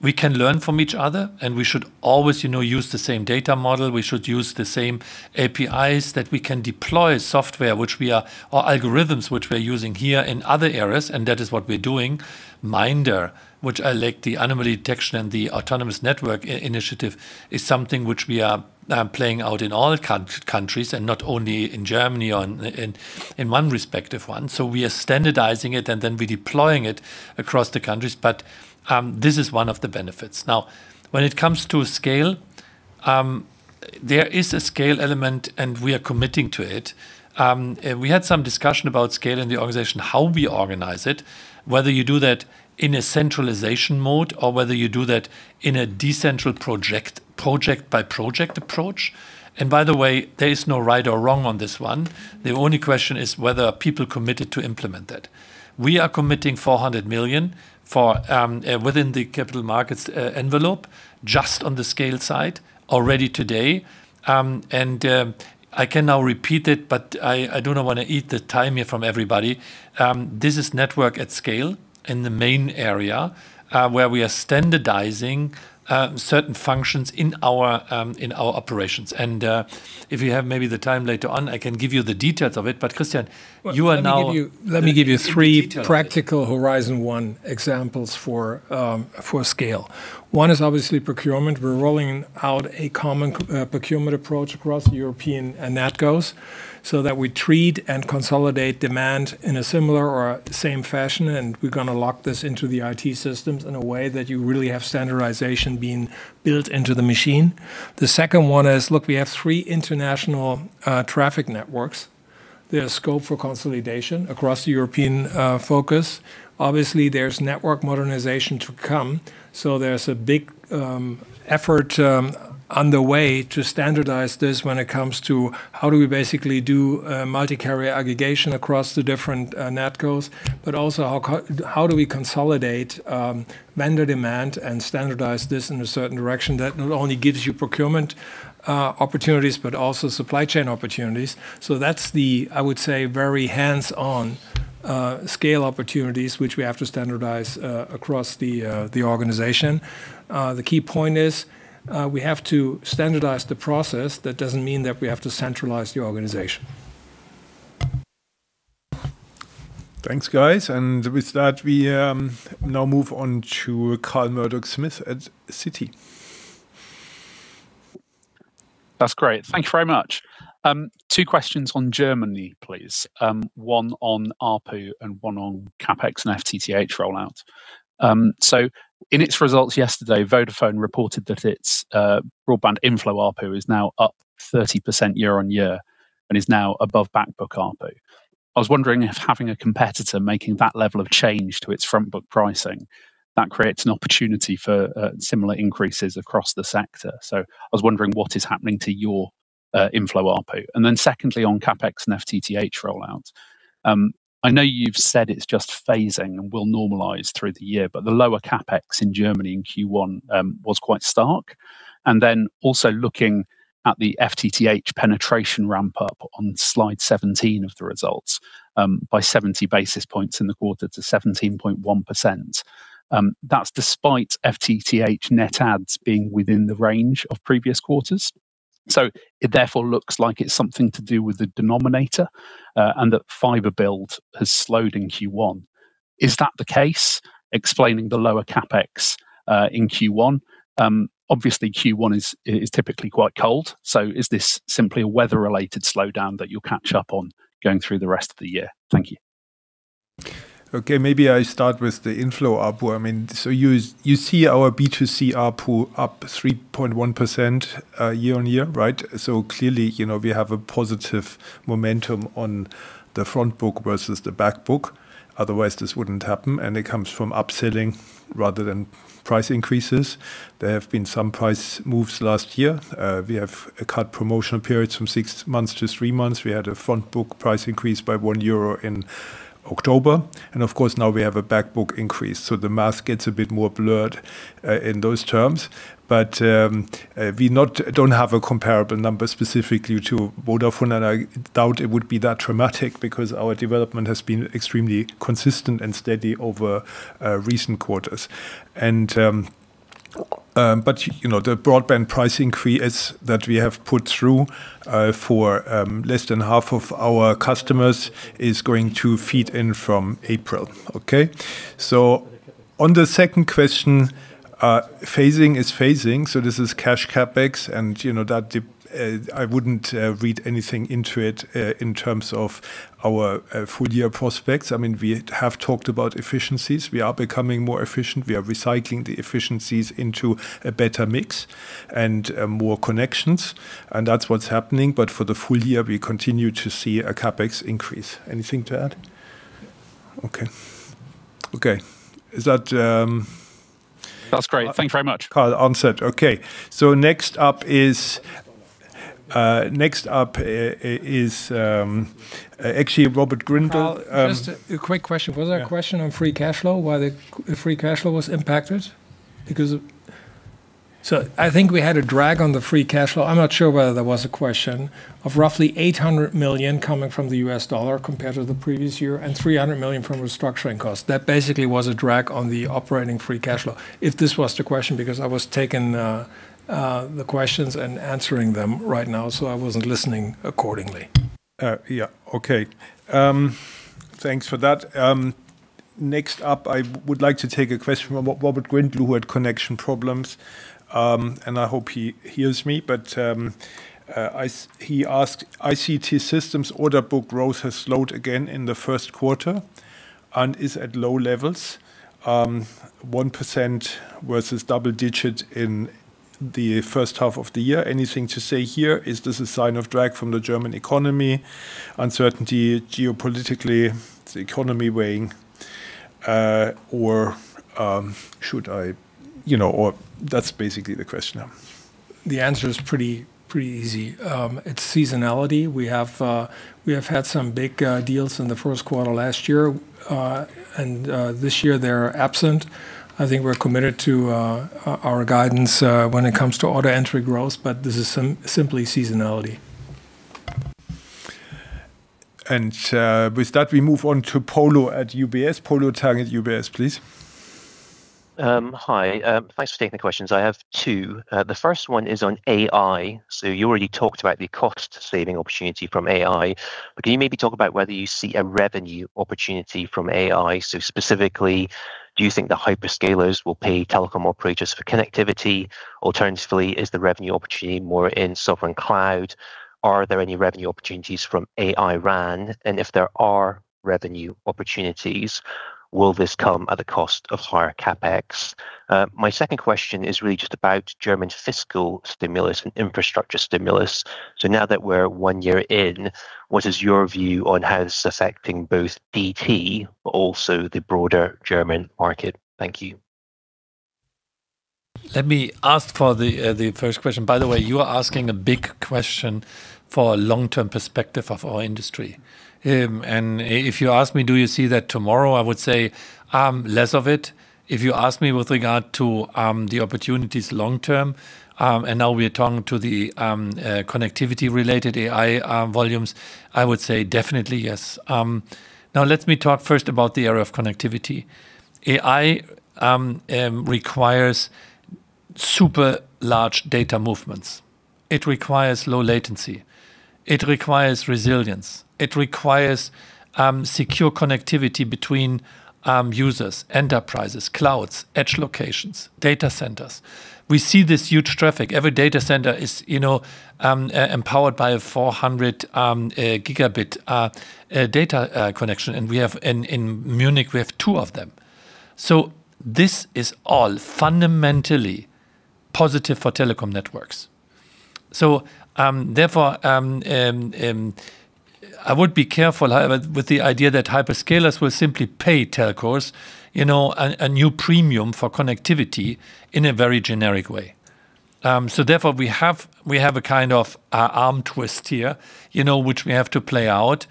[SPEAKER 2] We can learn from each other, and we should always, you know, use the same data model. We should use the same APIs that we can deploy software or algorithms which we are using here in other areas, and that is what we're doing. MINDR, which I like, the anomaly detection and the autonomous network initiative, is something which we are playing out in all countries and not only in Germany on one respective one. We are standardizing it, and then we're deploying it across the countries. This is one of the benefits. When it comes to scale, there is a scale element, we are committing to it. We had some discussion about scale in the organization, how we organize it, whether you do that in a centralization mode or whether you do that in a decentral project-by-project approach. By the way, there is no right or wrong on this one. The only question is whether people committed to implement it. We are committing 400 million for within the capital markets envelope just on the scale side already today. I can now repeat it, I do not wanna eat the time here from everybody. This is network at scale in the main area where we are standardizing certain functions in our operations. If you have maybe the time later on, I can give you the details of it. Christian, you are now.
[SPEAKER 3] Let me give you three practical Horizon One examples for scale. One is obviously procurement. We're rolling out a common procurement approach across European NatCos so that we treat and consolidate demand in a similar or same fashion, and we're gonna lock this into the IT systems in a way that you really have standardization being built into the machine. The second one is, look, we have three international traffic networks. There's scope for consolidation across the European focus. Obviously, there's network modernization to come, so there's a big effort underway to standardize this when it comes to how do we basically do multi-carrier aggregation across the different NatCos. Also how do we consolidate vendor demand and standardize this in a certain direction that not only gives you procurement opportunities but also supply chain opportunities. That's the, I would say, very hands-on scale opportunities which we have to standardize across the organization. The key point is, we have to standardize the process. That doesn't mean that we have to centralize the organization.
[SPEAKER 1] Thanks, guys. With that, we now move on to Carl Murdock-Smith at Citi.
[SPEAKER 10] That's great. Thank you very much. Two questions on Germany, please. One on ARPU and one on CapEx and FTTH rollout. In its results yesterday, Vodafone reported that its broadband inflow ARPU is now up 30% year-on-year and is now above backbook ARPU. I was wondering if having a competitor making that level of change to its frontbook pricing, that creates an opportunity for similar increases across the sector. I was wondering what is happening to your inflow ARPU. Secondly, on CapEx and FTTH rollout. I know you've said it's just phasing and will normalize through the year, but the lower CapEx in Germany in Q1 was quite stark. Also looking at the FTTH penetration ramp up on slide 17 of the results, by 70 basis points in the quarter to 17.1%. That's despite FTTH net adds being within the range of previous quarters. It therefore looks like it's something to do with the denominator, and that fiber build has slowed in Q1. Is that the case, explaining the lower CapEx in Q1? Obviously Q1 is typically quite cold, so is this simply a weather-related slowdown that you'll catch up on going through the rest of the year? Thank you.
[SPEAKER 1] Okay. Maybe I start with the inflow ARPU. I mean, you see our B2C ARPU up 3.1% year-on-year, right? Clearly, you know, we have a positive momentum on the front book versus the back book, otherwise this wouldn't happen, and it comes from upselling rather than price increases. There have been some price moves last year. We have cut promotional periods from six months to three months. We had a front book price increase by 1 euro in October. Of course, now we have a back book increase, the math gets a bit more blurred in those terms. We don't have a comparable number specifically to Vodafone, and I doubt it would be that dramatic because our development has been extremely consistent and steady over recent quarters. You know, the broadband price increase that we have put through for less than half of our customers is going to feed in from April. Okay? On the second question, phasing is phasing, this is cash CapEx and, you know, that dip, I wouldn't read anything into it in terms of our full year prospects. I mean, we have talked about efficiencies. We are becoming more efficient. We are recycling the efficiencies into a better mix and more connections, and that's what's happening. For the full year, we continue to see a CapEx increase. Anything to add? Okay. Okay.
[SPEAKER 10] That's great. Thanks very much.
[SPEAKER 1] Carl answered. Okay. Next up is actually Robert Grindle.
[SPEAKER 3] Just a quick question.
[SPEAKER 1] Yeah.
[SPEAKER 3] Was there a question on free cashflow, why the free cashflow was impacted? I think we had a drag on the free cashflow. I'm not sure whether there was a question of roughly $800 million coming from the U.S. dollar compared to the previous year and 300 million from restructuring costs. That basically was a drag on the operating free cashflow. If this was the question, because I was taking the questions and answering them right now, so I wasn't listening accordingly.
[SPEAKER 1] Yeah. Okay. Thanks for that. Next up, I would like to take a question from Robert Grindle who had connection problems. I hope he hears me, but he asked, "ICT systems order book growth has slowed again in the first quarter and is at low levels. 1% versus double-digit in the first half of the year. Anything to say here? Is this a sign of drag from the German economy, uncertainty geopolitically, the economy weighing?" Should I, you know, or that's basically the question.
[SPEAKER 3] The answer is pretty easy. It's seasonality. We have had some big deals in the first quarter last year. This year they're absent. I think we're committed to our guidance when it comes to order entry growth, but this is simply seasonality.
[SPEAKER 1] With that, we move on to Polo at UBS. Polo Tang at UBS, please.
[SPEAKER 11] Hi. Thanks for taking the questions. I have two. The first one is on AI. You already talked about the cost-saving opportunity from AI. Can you maybe talk about whether you see a revenue opportunity from AI? Specifically, do you think the hyperscalers will pay telecom operators for connectivity? Alternatively, is the revenue opportunity more in sovereign cloud? Are there any revenue opportunities from AI RAN? If there are revenue opportunities, will this come at the cost of higher CapEx? My second question is really just about German fiscal stimulus and infrastructure stimulus. Now that we're one year in, what is your view on how this is affecting both DT, but also the broader German market? Thank you.
[SPEAKER 2] Let me ask for the first question. By the way, you are asking a big question for a long-term perspective of our industry. If you ask me, do you see that tomorrow? I would say less of it. If you ask me with regard to the opportunities long term, now we're talking to the connectivity related AI volumes, I would say definitely yes. Now let me talk first about the area of connectivity. AI requires super large data movements. It requires low latency. It requires resilience. It requires secure connectivity between users, enterprises, clouds, edge locations, data centers. We see this huge traffic. Every data center is, you know, empowered by a 400 Gb data connection. We have, in Munich, we have two of them. This is all fundamentally positive for telecom networks. Therefore, I would be careful, however, with the idea that hyperscalers will simply pay telcos, you know, a new premium for connectivity in a very generic way. Therefore we have a kind of a arm twist here, you know, which we have to play out.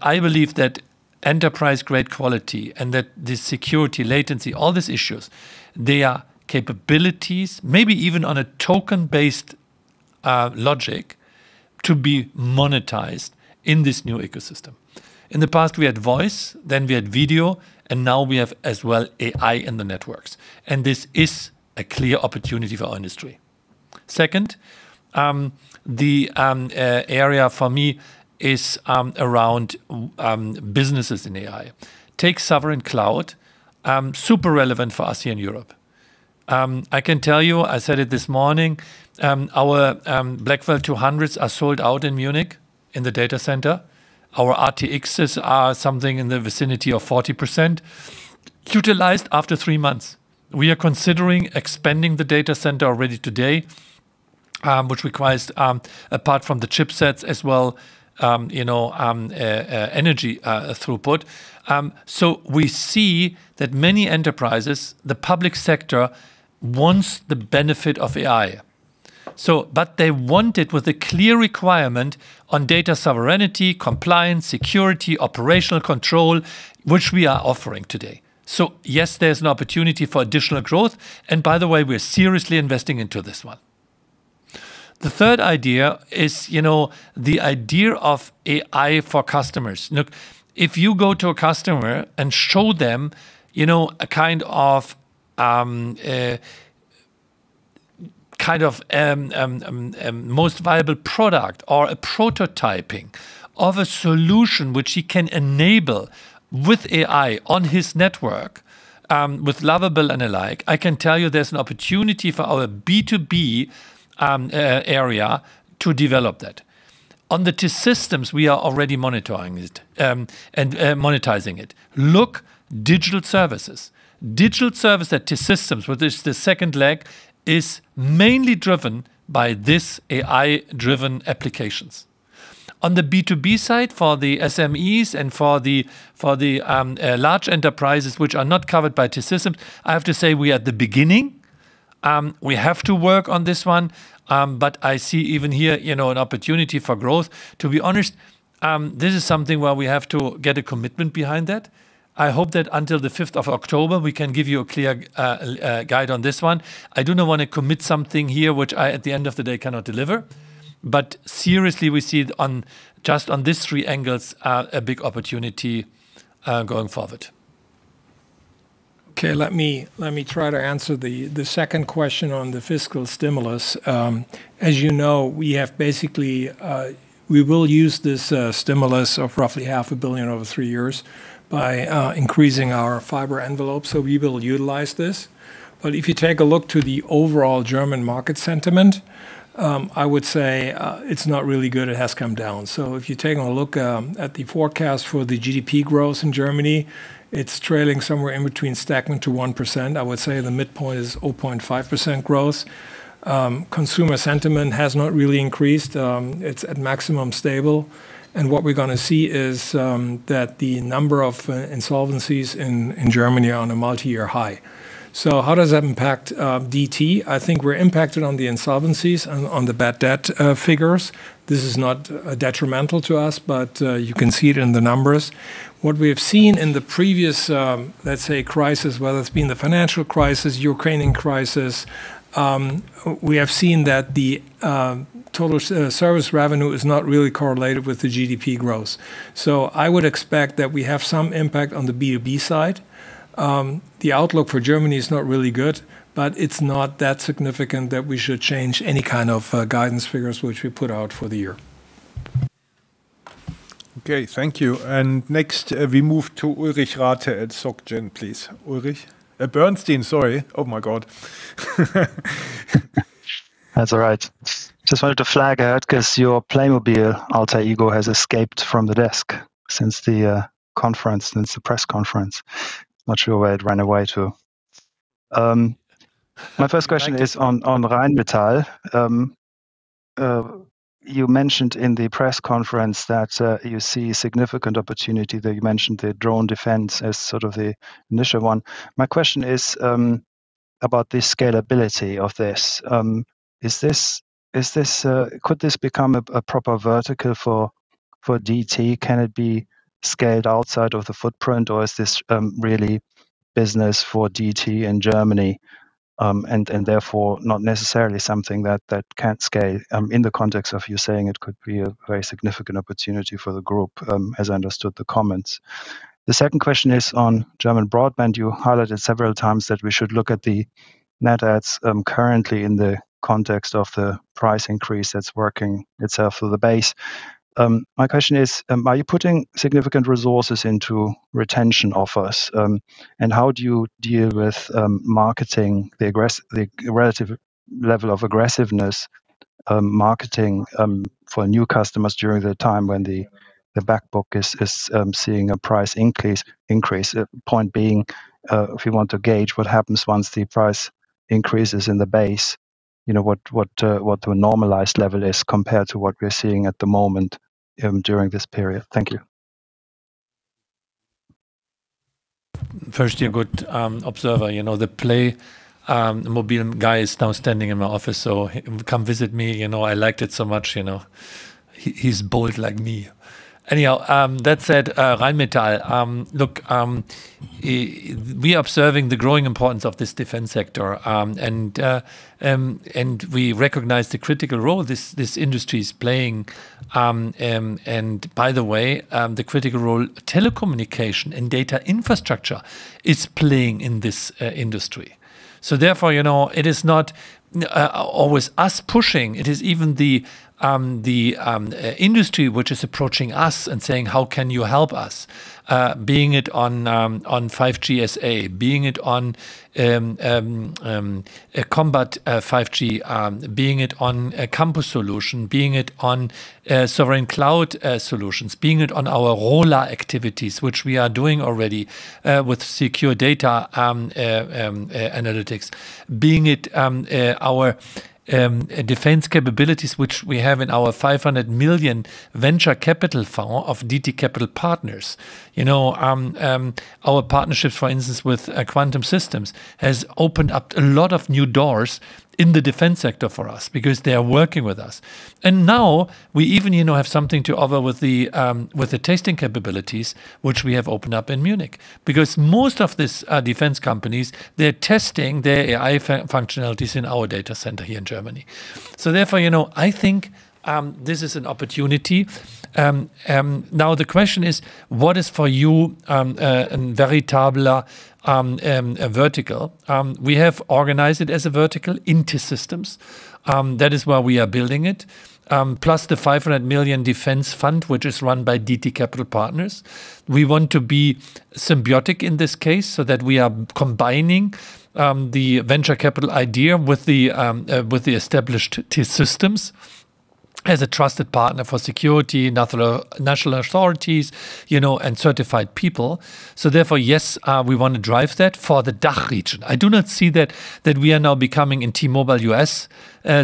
[SPEAKER 2] I believe that enterprise-grade quality and that the security latency, all these issues, they are capabilities, maybe even on a token-based logic to be monetized in this new ecosystem. In the past, we had voice, then we had video, and now we have as well AI in the networks, and this is a clear opportunity for our industry. Second, the area for me is around businesses in AI. Take sovereign cloud, super relevant for us here in Europe. I can tell you, I said it this morning, our NVIDIA B200 are sold out in Munich in the data center. Our RTX are something in the vicinity of 40% utilized after three months. We are considering expanding the data center already today, which requires, apart from the chipsets as well, you know, energy throughput. We see that many enterprises, the public sector wants the benefit of AI. But they want it with a clear requirement on data sovereignty, compliance, security, operational control, which we are offering today. Yes, there's an opportunity for additional growth, and by the way, we're seriously investing into this one. The third idea is, you know, the idea of AI for customers. Look, if you go to a customer and show them, you know, a kind of most viable product or a prototyping of a solution which he can enable with AI on his network, with Lovable and the like, I can tell you there's an opportunity for our B2B area to develop that. On the T-Systems, we are already monitoring it and monetizing it. Look, digital services. Digital service at T-Systems, which is the second leg, is mainly driven by this AI-driven applications. On the B2B side, for the SMEs and for the large enterprises which are not covered by T-Systems, I have to say we are at the beginning. We have to work on this one, but I see even here, you know, an opportunity for growth. To be honest, this is something where we have to get a commitment behind that. I hope that until the 5th of October, we can give you a clear guide on this one. I do not wanna commit something here which I, at the end of the day, cannot deliver. Seriously, we see on just on these three angles, a big opportunity going forward.
[SPEAKER 3] Okay, let me try to answer the second question on the fiscal stimulus. As you know, we have basically, we will use this stimulus of roughly 500 million over three years by increasing our fiber envelope, so we will utilize this. If you take a look to the overall German market sentiment, I would say it's not really good. It has come down. If you're taking a look at the forecast for the GDP growth in Germany, it's trailing somewhere in between stagnant to 1%. I would say the midpoint is 0.5% growth. Consumer sentiment has not really increased. It's at maximum stable. What we're gonna see is that the number of insolvencies in Germany are on a multi-year high. How does that impact DT? I think we're impacted on the insolvencies and on the bad debt figures. This is not detrimental to us, but you can see it in the numbers. What we have seen in the previous, let's say crisis, whether it's been the financial crisis, Ukrainian Crisis, we have seen that the total service revenue is not really correlated with the GDP growth. I would expect that we have some impact on the B2B side. The outlook for Germany is not really good, but it's not that significant that we should change any kind of guidance figures which we put out for the year.
[SPEAKER 1] Okay, thank you. Next, we move to Ulrich Rathe at Bernstein, please. Ulrich. Bernstein, sorry. Oh my God.
[SPEAKER 12] That's all right. Just wanted to flag, 'cause your Playmobil alter ego has escaped from the desk since the conference, since the press conference. Not sure where it ran away to. My first question is on Rheinmetall. You mentioned in the press conference that you see significant opportunity that you mentioned the drone defense as sort of the initial one. My question is about the scalability of this. Is this, could this become a proper vertical for DT? Can it be scaled outside of the footprint, or is this really business for DT in Germany, and therefore not necessarily something that can scale in the context of you saying it could be a very significant opportunity for the group, as I understood the comments. The second question is on German broadband. You highlighted several times that we should look at the net adds currently in the context of the price increase that's working itself for the base. My question is, are you putting significant resources into retention offers? And how do you deal with marketing the relative level of aggressiveness marketing for new customers during the time when the back book is seeing a price increase? Point being, if you want to gauge what happens once the price increases in the base, you know, what the normalized level is compared to what we're seeing at the moment, during this period. Thank you.
[SPEAKER 2] Firstly, a good observer. You know, the Playmobil guy is now standing in my office, so come visit me. You know, I liked it so much, you know. He's bald like me. Anyhow, that said, Rheinmetall, look, we are observing the growing importance of this defense sector. We recognize the critical role this industry's playing. By the way, the critical role telecommunication and data infrastructure is playing in this industry. Therefore, you know, it is not always us pushing. It is even the industry which is approaching us and saying, "How can you help us?" Being it on 5G SA, being it on a combat 5G, being it on a campus solution, being it on sovereign cloud solutions, being it on our LoRa activities, which we are doing already with secure data analytics, being it our defense capabilities which we have in our 500 million venture capital fund of DT Capital Partners. You know, our partnerships, for instance, with Quantum Systems has opened up a lot of new doors in the defense sector for us because they are working with us. Now we even, you know, have something to offer with the testing capabilities which we have opened up in Munich. Because most of these defense companies, they're testing their AI functionalities in our data center here in Germany. Therefore, you know, I think this is an opportunity. Now the question is what is for you a veritable a vertical? We have organized it as a vertical into systems. That is why we are building it. Plus the 500 million defense fund, which is run by DT Capital Partners. We want to be symbiotic in this case so that we are combining the venture capital idea with the established T-Systems as a trusted partner for security, national authorities, you know, and certified people. Therefore, yes, we want to drive that for the DACH region. I do not see that we are now becoming in T-Mobile US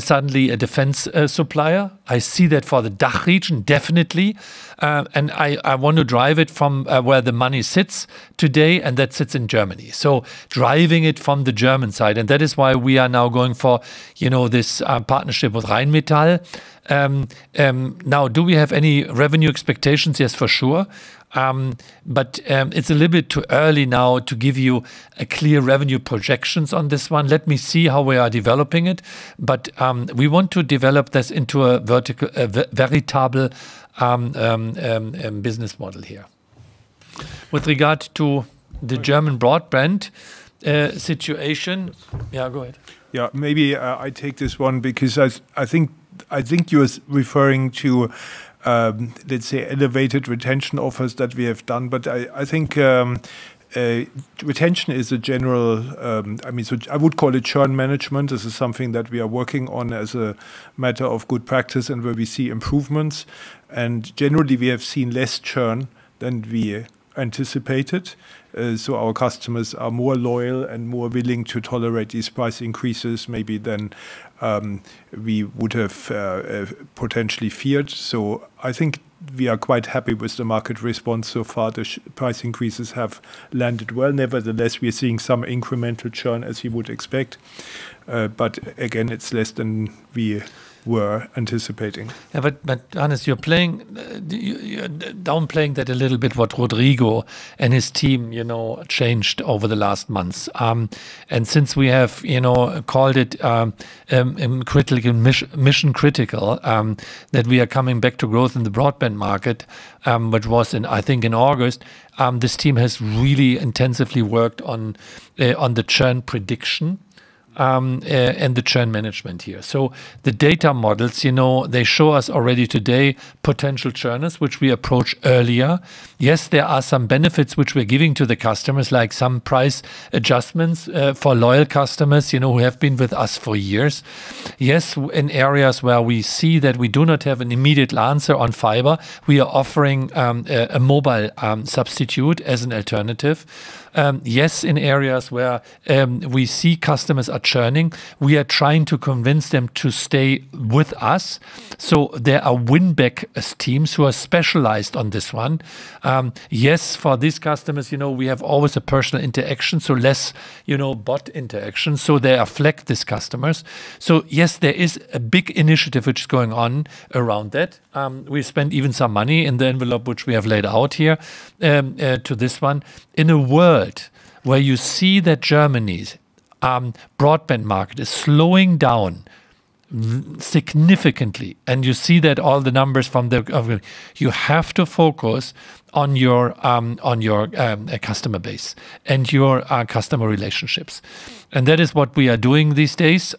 [SPEAKER 2] suddenly a defense supplier. I see that for the DACH region, definitely. And I want to drive it from where the money sits today, and that sits in Germany. Driving it from the German side, and that is why we are now going for, you know, this partnership with Rheinmetall. Now do we have any revenue expectations? Yes, for sure. But it is a little bit too early now to give you a clear revenue projections on this one. Let me see how we are developing it. We want to develop this into a veritable business model here. With regard to the German broadband situation, yeah, go ahead.
[SPEAKER 1] Maybe, I take this one because I think you're referring to, let's say, elevated retention offers that we have done. I think, I mean, I would call it churn management. This is something that we are working on as a matter of good practice and where we see improvements. Generally, we have seen less churn than we anticipated. Our customers are more loyal and more willing to tolerate these price increases maybe than we would have potentially feared. I think we are quite happy with the market response so far. The price increases have landed well. Nevertheless, we are seeing some incremental churn as you would expect. Again, it's less than we were anticipating.
[SPEAKER 2] Hannes, you're downplaying that a little bit what Rodrigo and his team, you know, changed over the last months. Since we have, you know, called it mission critical that we are coming back to growth in the broadband market, which was in, I think in August, this team has really intensively worked on the churn prediction and the churn management here. The data models, you know, they show us already today potential churners, which we approach earlier. Yes, there are some benefits which we're giving to the customers, like some price adjustments for loyal customers, you know, who have been with us for years. Yes, in areas where we see that we do not have an immediate answer on fiber, we are offering a mobile substitute as an alternative. Yes, in areas where we see customers are churning, we are trying to convince them to stay with us. There are win back teams who are specialized on this one. Yes, for these customers, you know, we have always a personal interaction, so less, you know, bot interaction, so they reflect these customers. Yes, there is a big initiative which is going on around that. We spend even some money in the envelope which we have laid out here to this one. In a world where you see that Germany's broadband market is slowing down significantly, and you see that all the numbers from the government, you have to focus on your customer base and your customer relationships. That is what we are doing these days.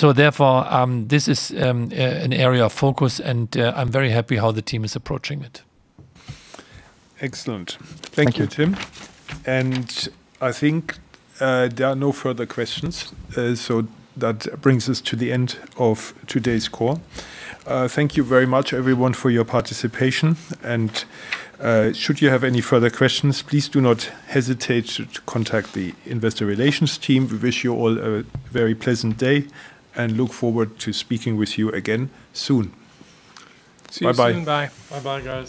[SPEAKER 2] Therefore, this is an area of focus and I'm very happy how the team is approaching it.
[SPEAKER 1] Excellent.
[SPEAKER 2] Thank you.
[SPEAKER 1] Thank you, Tim. I think there are no further questions. That brings us to the end of today's call. Thank you very much everyone for your participation. Should you have any further questions, please do not hesitate to contact the investor relations team. We wish you all a very pleasant day, and look forward to speaking with you again soon. Bye-bye.
[SPEAKER 2] See you soon. Bye.
[SPEAKER 3] Bye-bye, guys.